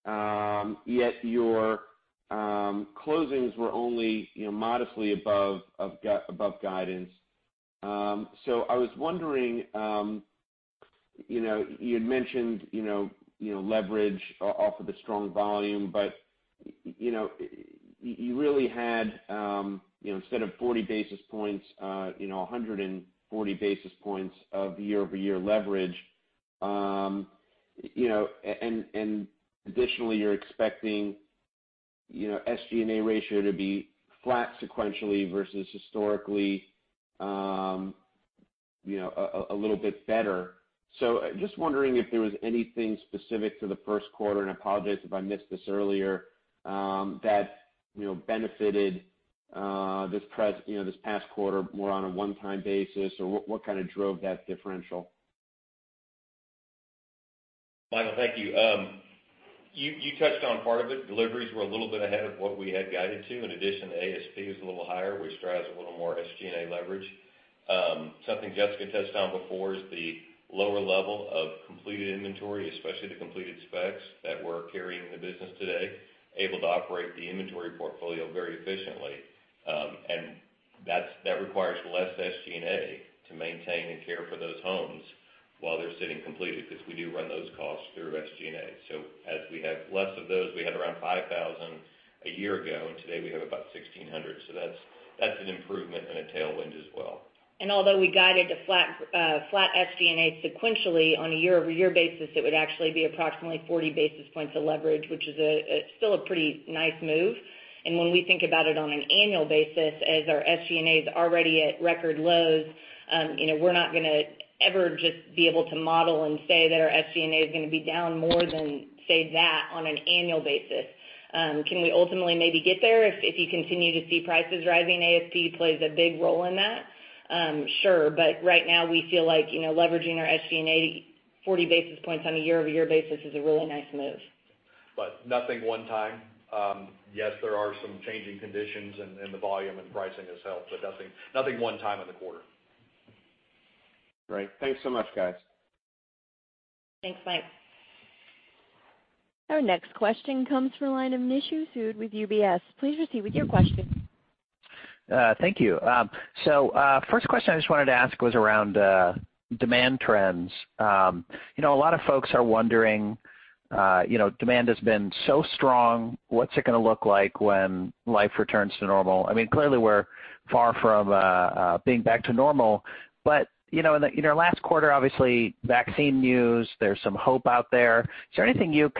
yet your closings were only modestly above guidance. I was wondering, you had mentioned leverage off of the strong volume, but you really had instead of 40 basis points, 140 basis points of year-over-year leverage. Additionally, you're expecting SG&A ratio to be flat sequentially versus historically a little bit better. Just wondering if there was anything specific to the first quarter, and apologies if I missed this earlier, that benefited this past quarter more on a one-time basis, or what kind of drove that differential? Michael, thank you. You touched on part of it. Deliveries were a little bit ahead of what we had guided to. ASP was a little higher, which drives a little more SG&A leverage. Something Jessica touched on before is the lower level of completed inventory, especially the completed specs that we're carrying in the business today, able to operate the inventory portfolio very efficiently. That requires less SG&A to maintain and care for those homes while they're sitting completed, because we do run those costs through SG&A. As we have less of those, we had around 5,000 a year ago, and today we have about 1,600. That's an improvement and a tailwind as well. Although we guided a flat SG&A sequentially on a year-over-year basis, it would actually be approximately 40 basis points of leverage, which is still a pretty nice move. When we think about it on an annual basis, as our SG&A's already at record lows, we're not going to ever just be able to model and say that our SG&A is going to be down more than, say, that on an annual basis. Can we ultimately maybe get there if you continue to see prices rising, ASP plays a big role in that? Sure. Right now, we feel like leveraging our SG&A 40 basis points on a year-over-year basis is a really nice move. Nothing one time. Yes, there are some changing conditions, and the volume and pricing has helped, but nothing one time in the quarter. Great. Thanks so much, guys. Thanks, Mike. Our next question comes from the line of Nishu Sood with UBS. Please proceed with your question. Thank you. First question I just wanted to ask was around demand trends. A lot of folks are wondering, demand has been so strong, what's it going to look like when life returns to normal? Clearly we're far from being back to normal. In our last quarter, obviously vaccine news, there's some hope out there. Is there anything you've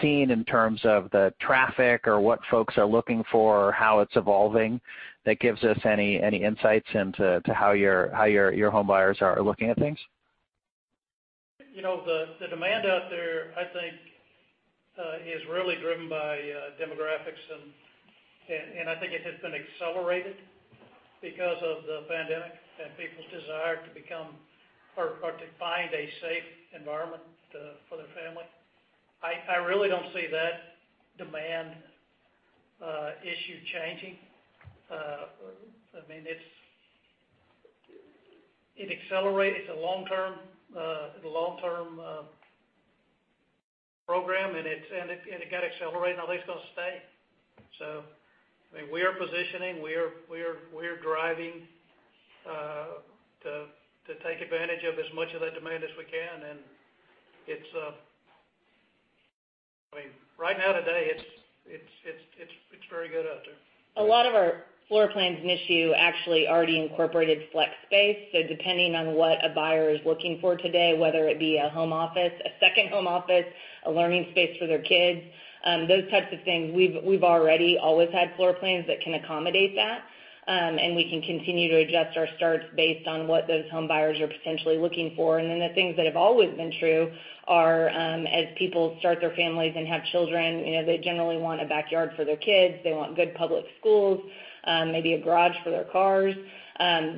seen in terms of the traffic or what folks are looking for or how it's evolving that gives us any insights into to how your home buyers are looking at things? The demand out there, I think, is really driven by demographics, and I think it has been accelerated because of the pandemic and people's desire to become or to find a safe environment for their family. I really don't see that demand issue changing. It accelerates. It's a long-term program, and it got accelerated, and I think it's going to stay. We are positioning, we are driving to take advantage of as much of that demand as we can, and right now, today, It's very good out there. A lot of our floor plans Nishu actually already incorporated flex space. Depending on what a buyer is looking for today, whether it be a home office, a second home office, a learning space for their kids, those types of things, we've already always had floor plans that can accommodate that. We can continue to adjust our starts based on what those home buyers are potentially looking for. The things that have always been true are, as people start their families and have children, they generally want a backyard for their kids, they want good public schools, maybe a garage for their cars.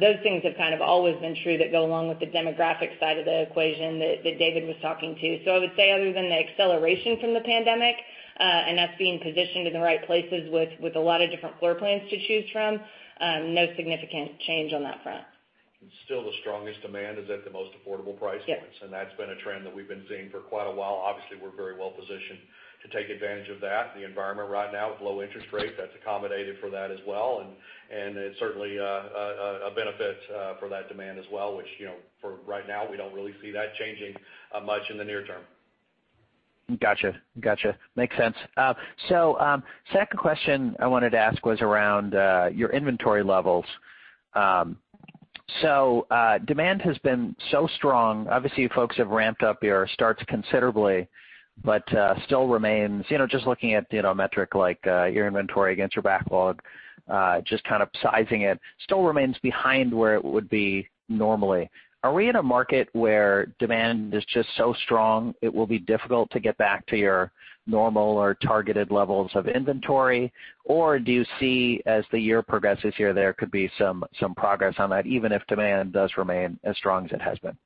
Those things have kind of always been true that go along with the demographic side of the equation that David was talking to. I would say other than the acceleration from the pandemic, and us being positioned in the right places with a lot of different floor plans to choose from, no significant change on that front. Still the strongest demand is at the most affordable price points. Yes. That's been a trend that we've been seeing for quite a while. Obviously, we're very well-positioned to take advantage of that. The environment right now with low interest rates, that's accommodated for that as well. It's certainly a benefit for that demand as well, which for right now, we don't really see that changing much in the near term. Got you. Makes sense. Second question I wanted to ask was around your inventory levels. Demand has been so strong. Obviously, you folks have ramped up your starts considerably, but still remains, just looking at a metric like your inventory against your backlog, just kind of sizing it, still remains behind where it would be normally. Are we in a market where demand is just so strong it will be difficult to get back to your normal or targeted levels of inventory? Or do you see, as the year progresses here, there could be some progress on that, even if demand does remain as strong as it has been?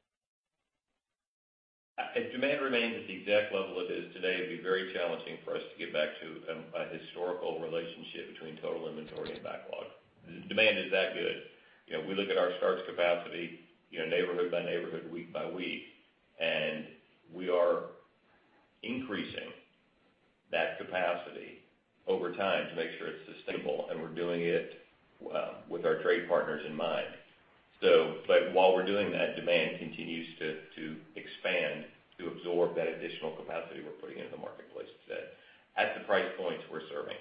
If demand remains at the exact level it is today, it'd be very challenging for us to get back to a historical relationship between total inventory and backlog. Demand is that good. We look at our starts capacity, neighborhood-by-neighborhood, week-by-week, and we are increasing that capacity over time to make sure it's sustainable, and we're doing it with our trade partners in mind. While we're doing that, demand continues to expand to absorb that additional capacity we're putting into the marketplace today at the price points we're serving.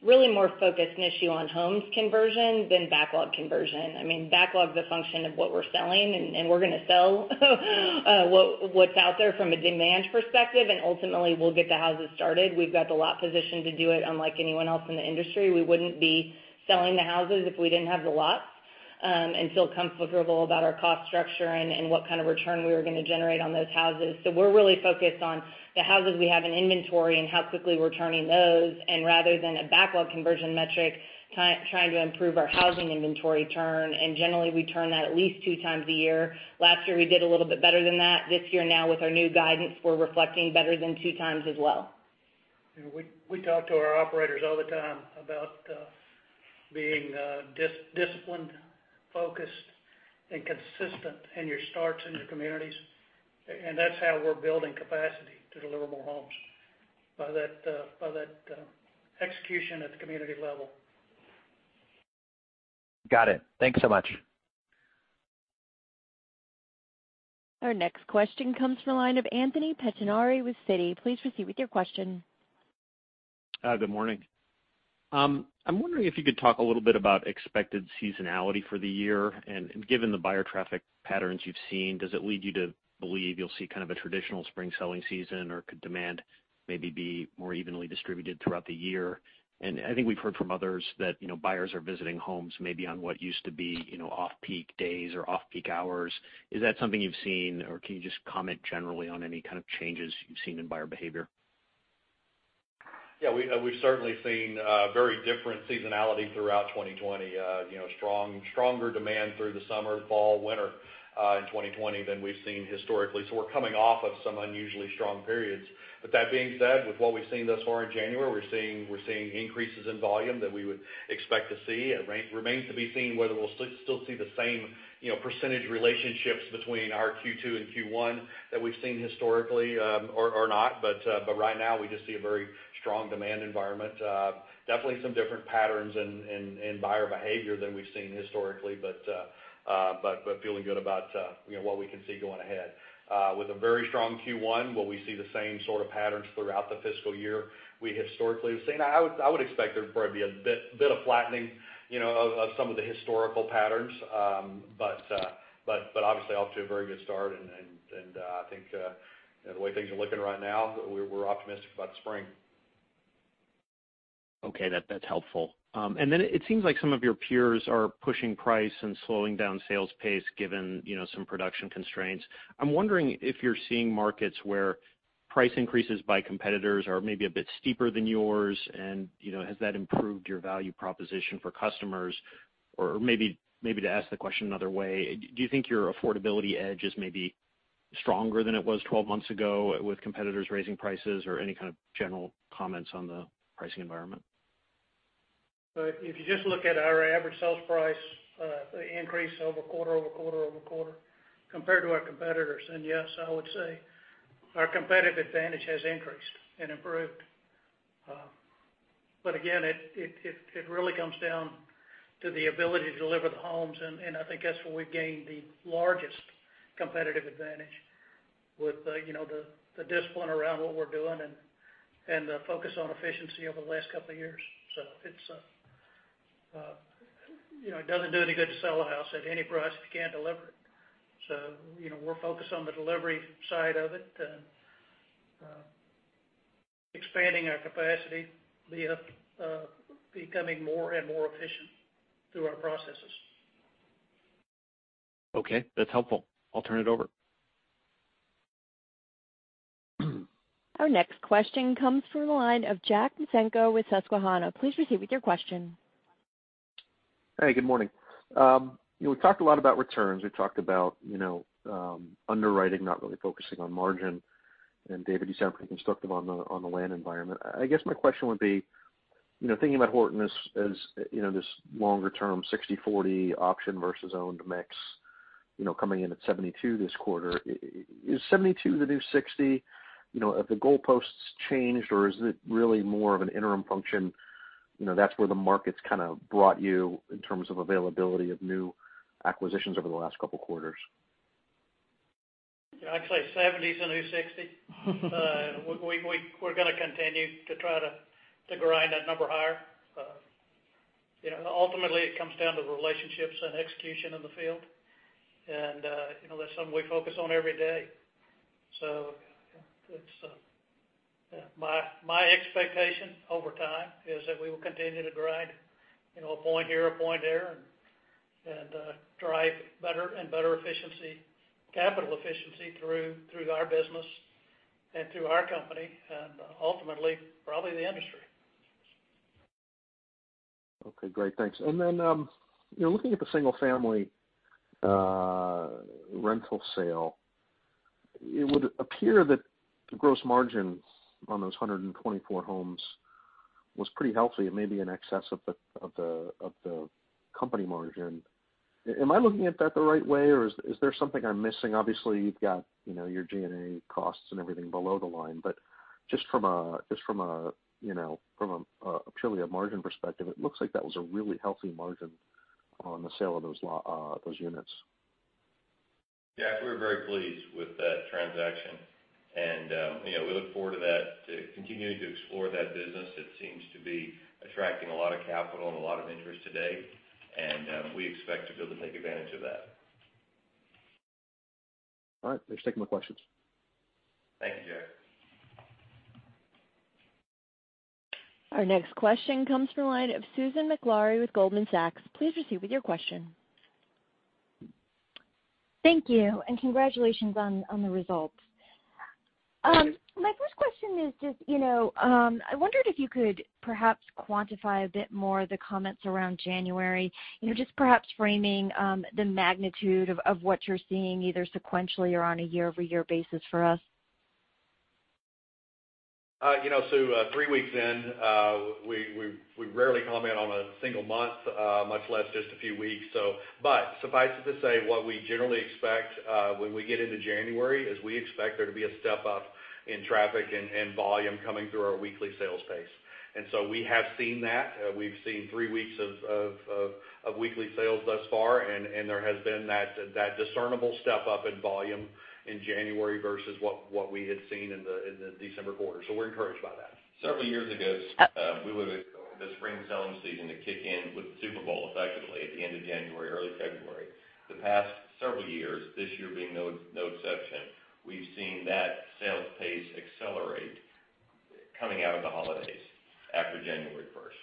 Really more focused, Nishu, on homes conversion than backlog conversion. Backlog is a function of what we're selling, and we're going to sell what's out there from a demand perspective, and ultimately we'll get the houses started. We've got the lot position to do it unlike anyone else in the industry. We wouldn't be selling the houses if we didn't have the lots, and feel comfortable about our cost structure and what kind of return we were going to generate on those houses. We're really focused on the houses we have in inventory and how quickly we're turning those, and rather than a backlog conversion metric, trying to improve our housing inventory turn. Generally, we turn that at least two times a year. Last year, we did a little bit better than that. This year now with our new guidance, we're reflecting better than two times as well. We talk to our operators all the time about being disciplined, focused, and consistent in your starts in your communities. That's how we're building capacity to deliver more homes, by that execution at the community level. Got it. Thank you so much. Our next question comes from the line of Anthony Pettinari with Citi. Please proceed with your question. Hi, good morning. I'm wondering if you could talk a little bit about expected seasonality for the year, and given the buyer traffic patterns you've seen, does it lead you to believe you'll see kind of a traditional spring selling season, or could demand maybe be more evenly distributed throughout the year? I think we've heard from others that buyers are visiting homes maybe on what used to be off-peak days or off-peak hours. Is that something you've seen, or can you just comment generally on any kind of changes you've seen in buyer behavior? Yeah, we've certainly seen very different seasonality throughout 2020. Stronger demand through the summer, fall, winter in 2020 than we've seen historically. That being said, with what we've seen thus far in January, we're seeing increases in volume that we would expect to see. It remains to be seen whether we'll still see the same percentage relationships between our Q2 and Q1 that we've seen historically or not. Right now we just see a very strong demand environment. Definitely some different patterns in buyer behavior than we've seen historically, but feeling good about what we can see going ahead. With a very strong Q1, will we see the same sort of patterns throughout the fiscal year we historically have seen? I would expect there'd probably be a bit of flattening of some of the historical patterns. Obviously off to a very good start, and I think the way things are looking right now, we're optimistic about the spring. Okay. That's helpful. Then it seems like some of your peers are pushing price and slowing down sales pace given some production constraints. I'm wondering if you're seeing markets where price increases by competitors are maybe a bit steeper than yours. Has that improved your value proposition for customers? Maybe to ask the question another way, do you think your affordability edge is maybe stronger than it was 12 months ago with competitors raising prices, or any kind of general comments on the pricing environment? If you just look at our average sales price increase over quarter, compared to our competitors, then yes, I would say our competitive advantage has increased and improved. Again, it really comes down to the ability to deliver the homes, and I think that's where we've gained the largest competitive advantage. With the discipline around what we're doing and the focus on efficiency over the last couple of years. It doesn't do any good to sell a house at any price if you can't deliver it. We're focused on the delivery side of it and expanding our capacity, becoming more and more efficient through our processes. Okay. That's helpful. I'll turn it over. Our next question comes from the line of Jack Micenko with Susquehanna. Please proceed with your question. Hey, good morning. We've talked a lot about returns. We've talked about underwriting, not really focusing on margin. David, you sound pretty constructive on the land environment. I guess my question would be, thinking about Horton as this longer-term 60/40 option versus owned mix, coming in at 72 this quarter. Is 72 the new 60? Have the goalposts changed, or is it really more of an interim function? That's where the market's kind of brought you in terms of availability of new acquisitions over the last couple of quarters. Yeah, I'd say 70 is the new 60. We're going to continue to try to grind that number higher. Ultimately, it comes down to the relationships and execution in the field, and that's something we focus on every day. My expectation over time is that we will continue to grind a point here, a point there, and drive better and better efficiency, capital efficiency through our business and through our company, and ultimately, probably the industry. Okay, great. Thanks. Looking at the single-family rental sale, it would appear that the gross margin on those 124 homes was pretty healthy. It may be in excess of the company margin. Am I looking at that the right way, or is there something I'm missing? Obviously, you've got your SG&A costs and everything below the line, just from a purely a margin perspective, it looks like that was a really healthy margin on the sale of those units. Jack, we're very pleased with that transaction. We look forward to continuing to explore that business. It seems to be attracting a lot of capital and a lot of interest today, and we expect to be able to take advantage of that. All right. Thanks. Take more questions. Thank you, Jack. Our next question comes from the line of Susan Maklari with Goldman Sachs. Please proceed with your question. Thank you, and congratulations on the results. Thanks. My first question is just, I wondered if you could perhaps quantify a bit more the comments around January. Just perhaps framing the magnitude of what you're seeing, either sequentially or on a year-over-year basis for us. Sue, three weeks in, we rarely comment on a single month much less just a few weeks. Suffice it to say, what we generally expect when we get into January, is we expect there to be a step up in traffic and volume coming through our weekly sales pace. We have seen that. We've seen three weeks of weekly sales thus far, and there has been that discernible step up in volume in January versus what we had seen in the December quarter. We're encouraged by that. Several years ago, we would've the spring selling season to kick in with the Super Bowl effectively at the end of January, early February. The past several years, this year being no exception, we've seen that sales pace accelerate coming out of the holidays after January 1st.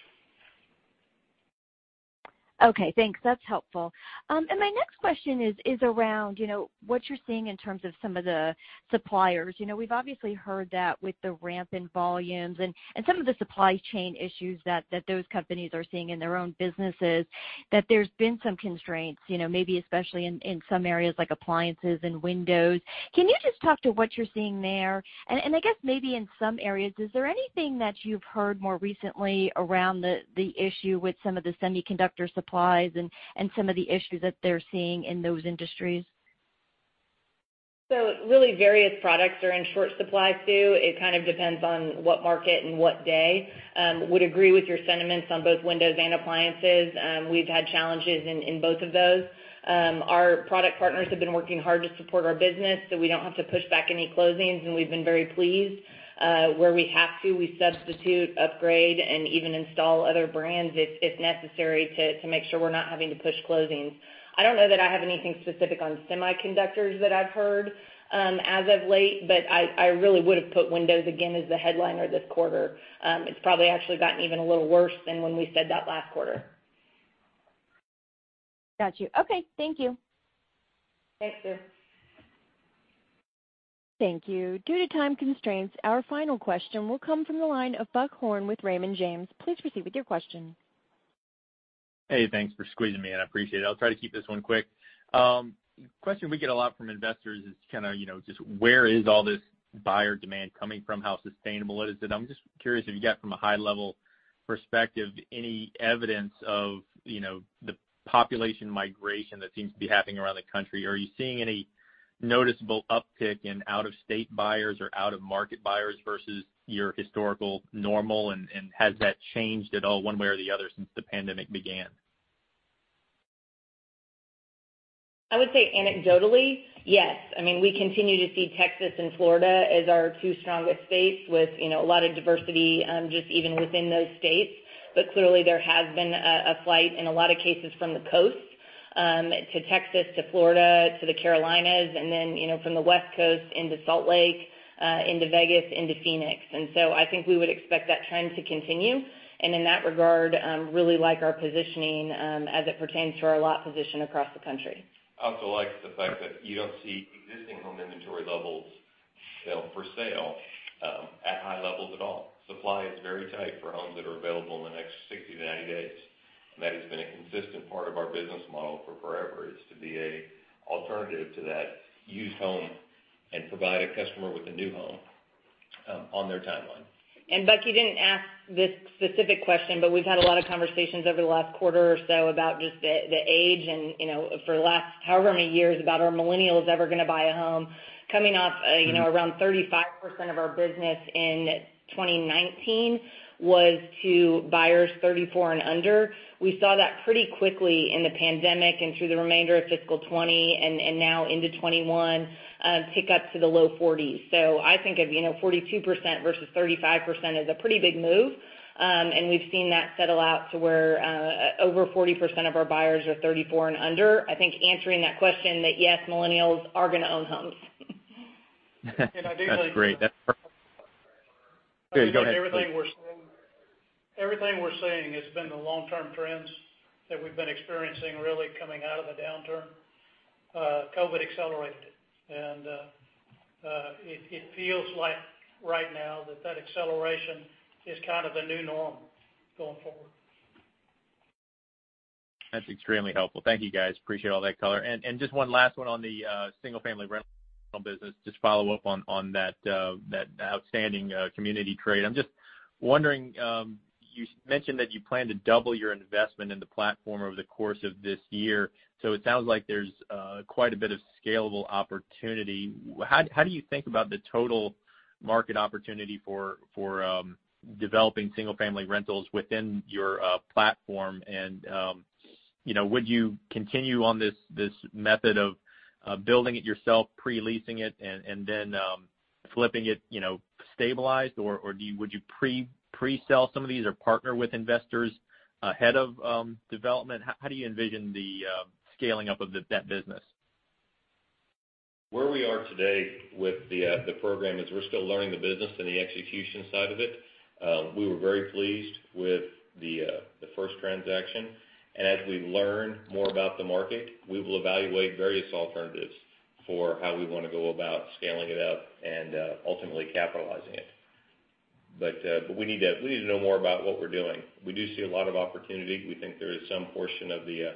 Okay, thanks. That's helpful. My next question is around what you're seeing in terms of some of the suppliers. We've obviously heard that with the ramp in volumes and some of the supply chain issues that those companies are seeing in their own businesses, that there's been some constraints, maybe especially in some areas like appliances and windows. Can you just talk to what you're seeing there? I guess maybe in some areas, is there anything that you've heard more recently around the issue with some of the semiconductor supplies and some of the issues that they're seeing in those industries? Really various products are in short supply, Sue. It kind of depends on what market and what day. Would agree with your sentiments on both windows and appliances. We've had challenges in both of those. Our product partners have been working hard to support our business, so we don't have to push back any closings, and we've been very pleased. Where we have to, we substitute, upgrade, and even install other brands if necessary to make sure we're not having to push closings. I don't know that I have anything specific on semiconductors that I've heard as of late, but I really would've put windows again as the headliner this quarter. It's probably actually gotten even a little worse than when we said that last quarter. Got you. Okay. Thank you. Thanks, Sue. Thank you. Due to time constraints, our final question will come from the line of Buck Horne with Raymond James. Please proceed with your question. Hey, thanks for squeezing me in. I appreciate it. I'll try to keep this one quick. Question we get a lot from investors is kind of just where is all this buyer demand coming from, how sustainable it is? I'm just curious if you got from a high-level perspective, any evidence of the population migration that seems to be happening around the country. Are you seeing any noticeable uptick in out-of-state buyers or out-of-market buyers versus your historical normal, and has that changed at all one way or the other since the pandemic began? I would say anecdotally, yes. We continue to see Texas and Florida as our two strongest states with a lot of diversity just even within those states. Clearly there has been a flight in a lot of cases from the coasts to Texas, to Florida, to the Carolinas, and then from the West Coast into Salt Lake, into Vegas, into Phoenix. I think we would expect that trend to continue, and in that regard, really like our positioning as it pertains to our lot position across the country. I also like the fact that you don't see existing home inventory levels for sale at high levels at all. Supply is very tight for homes that are available in the next 60-90 days. That has been a consistent part of our business model for forever, is to be an alternative to that used home and provide a customer with a new home on their timeline. Buck, you didn't ask this specific question, but we've had a lot of conversations over the last quarter or so about just the age and for the last however many years about are millennials ever going to buy a home? Coming off around 35% of our business in 2019 was to buyers 34 and under. We saw that pretty quickly in the pandemic and through the remainder of fiscal 2020 and now into 2021, tick up to the low 40s. I think of 42% versus 35% is a pretty big move. We've seen that settle out to where over 40% of our buyers are 34 and under. I think answering that question that, yes, millennials are going to own homes. That's great. That's perfect. Go ahead, please. Everything we're seeing has been the long-term trends that we've been experiencing really coming out of the downturn. COVID accelerated it, and it feels like right now that acceleration is kind of the new norm going forward. That's extremely helpful. Thank you, guys. Appreciate all that color. Just one last one on the single-family rental business, just to follow up on that outstanding community trade. I'm just wondering, you mentioned that you plan to double your investment in the platform over the course of this year. It sounds like there's quite a bit of scalable opportunity. How do you think about the total market opportunity for developing single-family rentals within your platform? Would you continue on this method of building it yourself, pre-leasing it, and then flipping it stabilized? Would you pre-sell some of these or partner with investors ahead of development? How do you envision the scaling up of that business? Where we are today with the program is we're still learning the business and the execution side of it. We were very pleased with the first transaction. As we learn more about the market, we will evaluate various alternatives for how we want to go about scaling it up and ultimately capitalizing it. We need to know more about what we're doing. We do see a lot of opportunity. We think there is some portion of the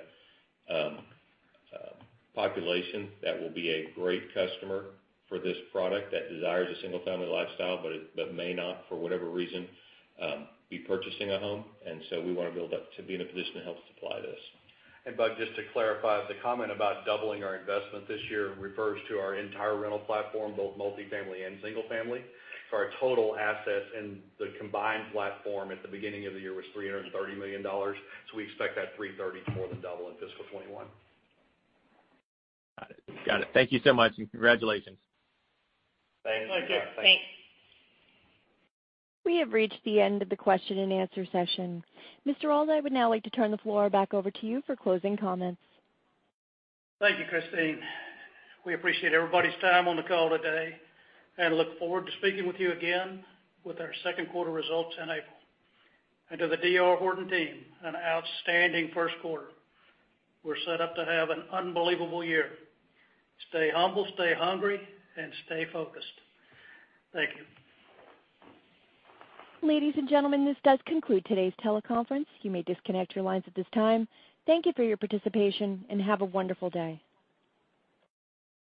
population that will be a great customer for this product that desires a single-family lifestyle, but may not, for whatever reason, be purchasing a home. We want to build up to be in a position to help supply this. Buck, just to clarify, the comment about doubling our investment this year refers to our entire rental platform, both multi-family and single-family. Our total assets in the combined platform at the beginning of the year was $330 million. We expect that $330 million to more than double in fiscal 2021. Got it. Thank you so much, and congratulations. Thanks. Thank you. Thanks. We have reached the end of the question-and-answer session. Mr. Auld, I would now like to turn the floor back over to you for closing comments. Thank you, Christine. We appreciate everybody's time on the call today and look forward to speaking with you again with our second quarter results in April. To the D.R. Horton team, an outstanding first quarter. We're set up to have an unbelievable year. Stay humble, stay hungry, and stay focused. Thank you. Ladies and gentlemen, this does conclude today's teleconference. You may disconnect your lines at this time. Thank you for your participation, and have a wonderful day.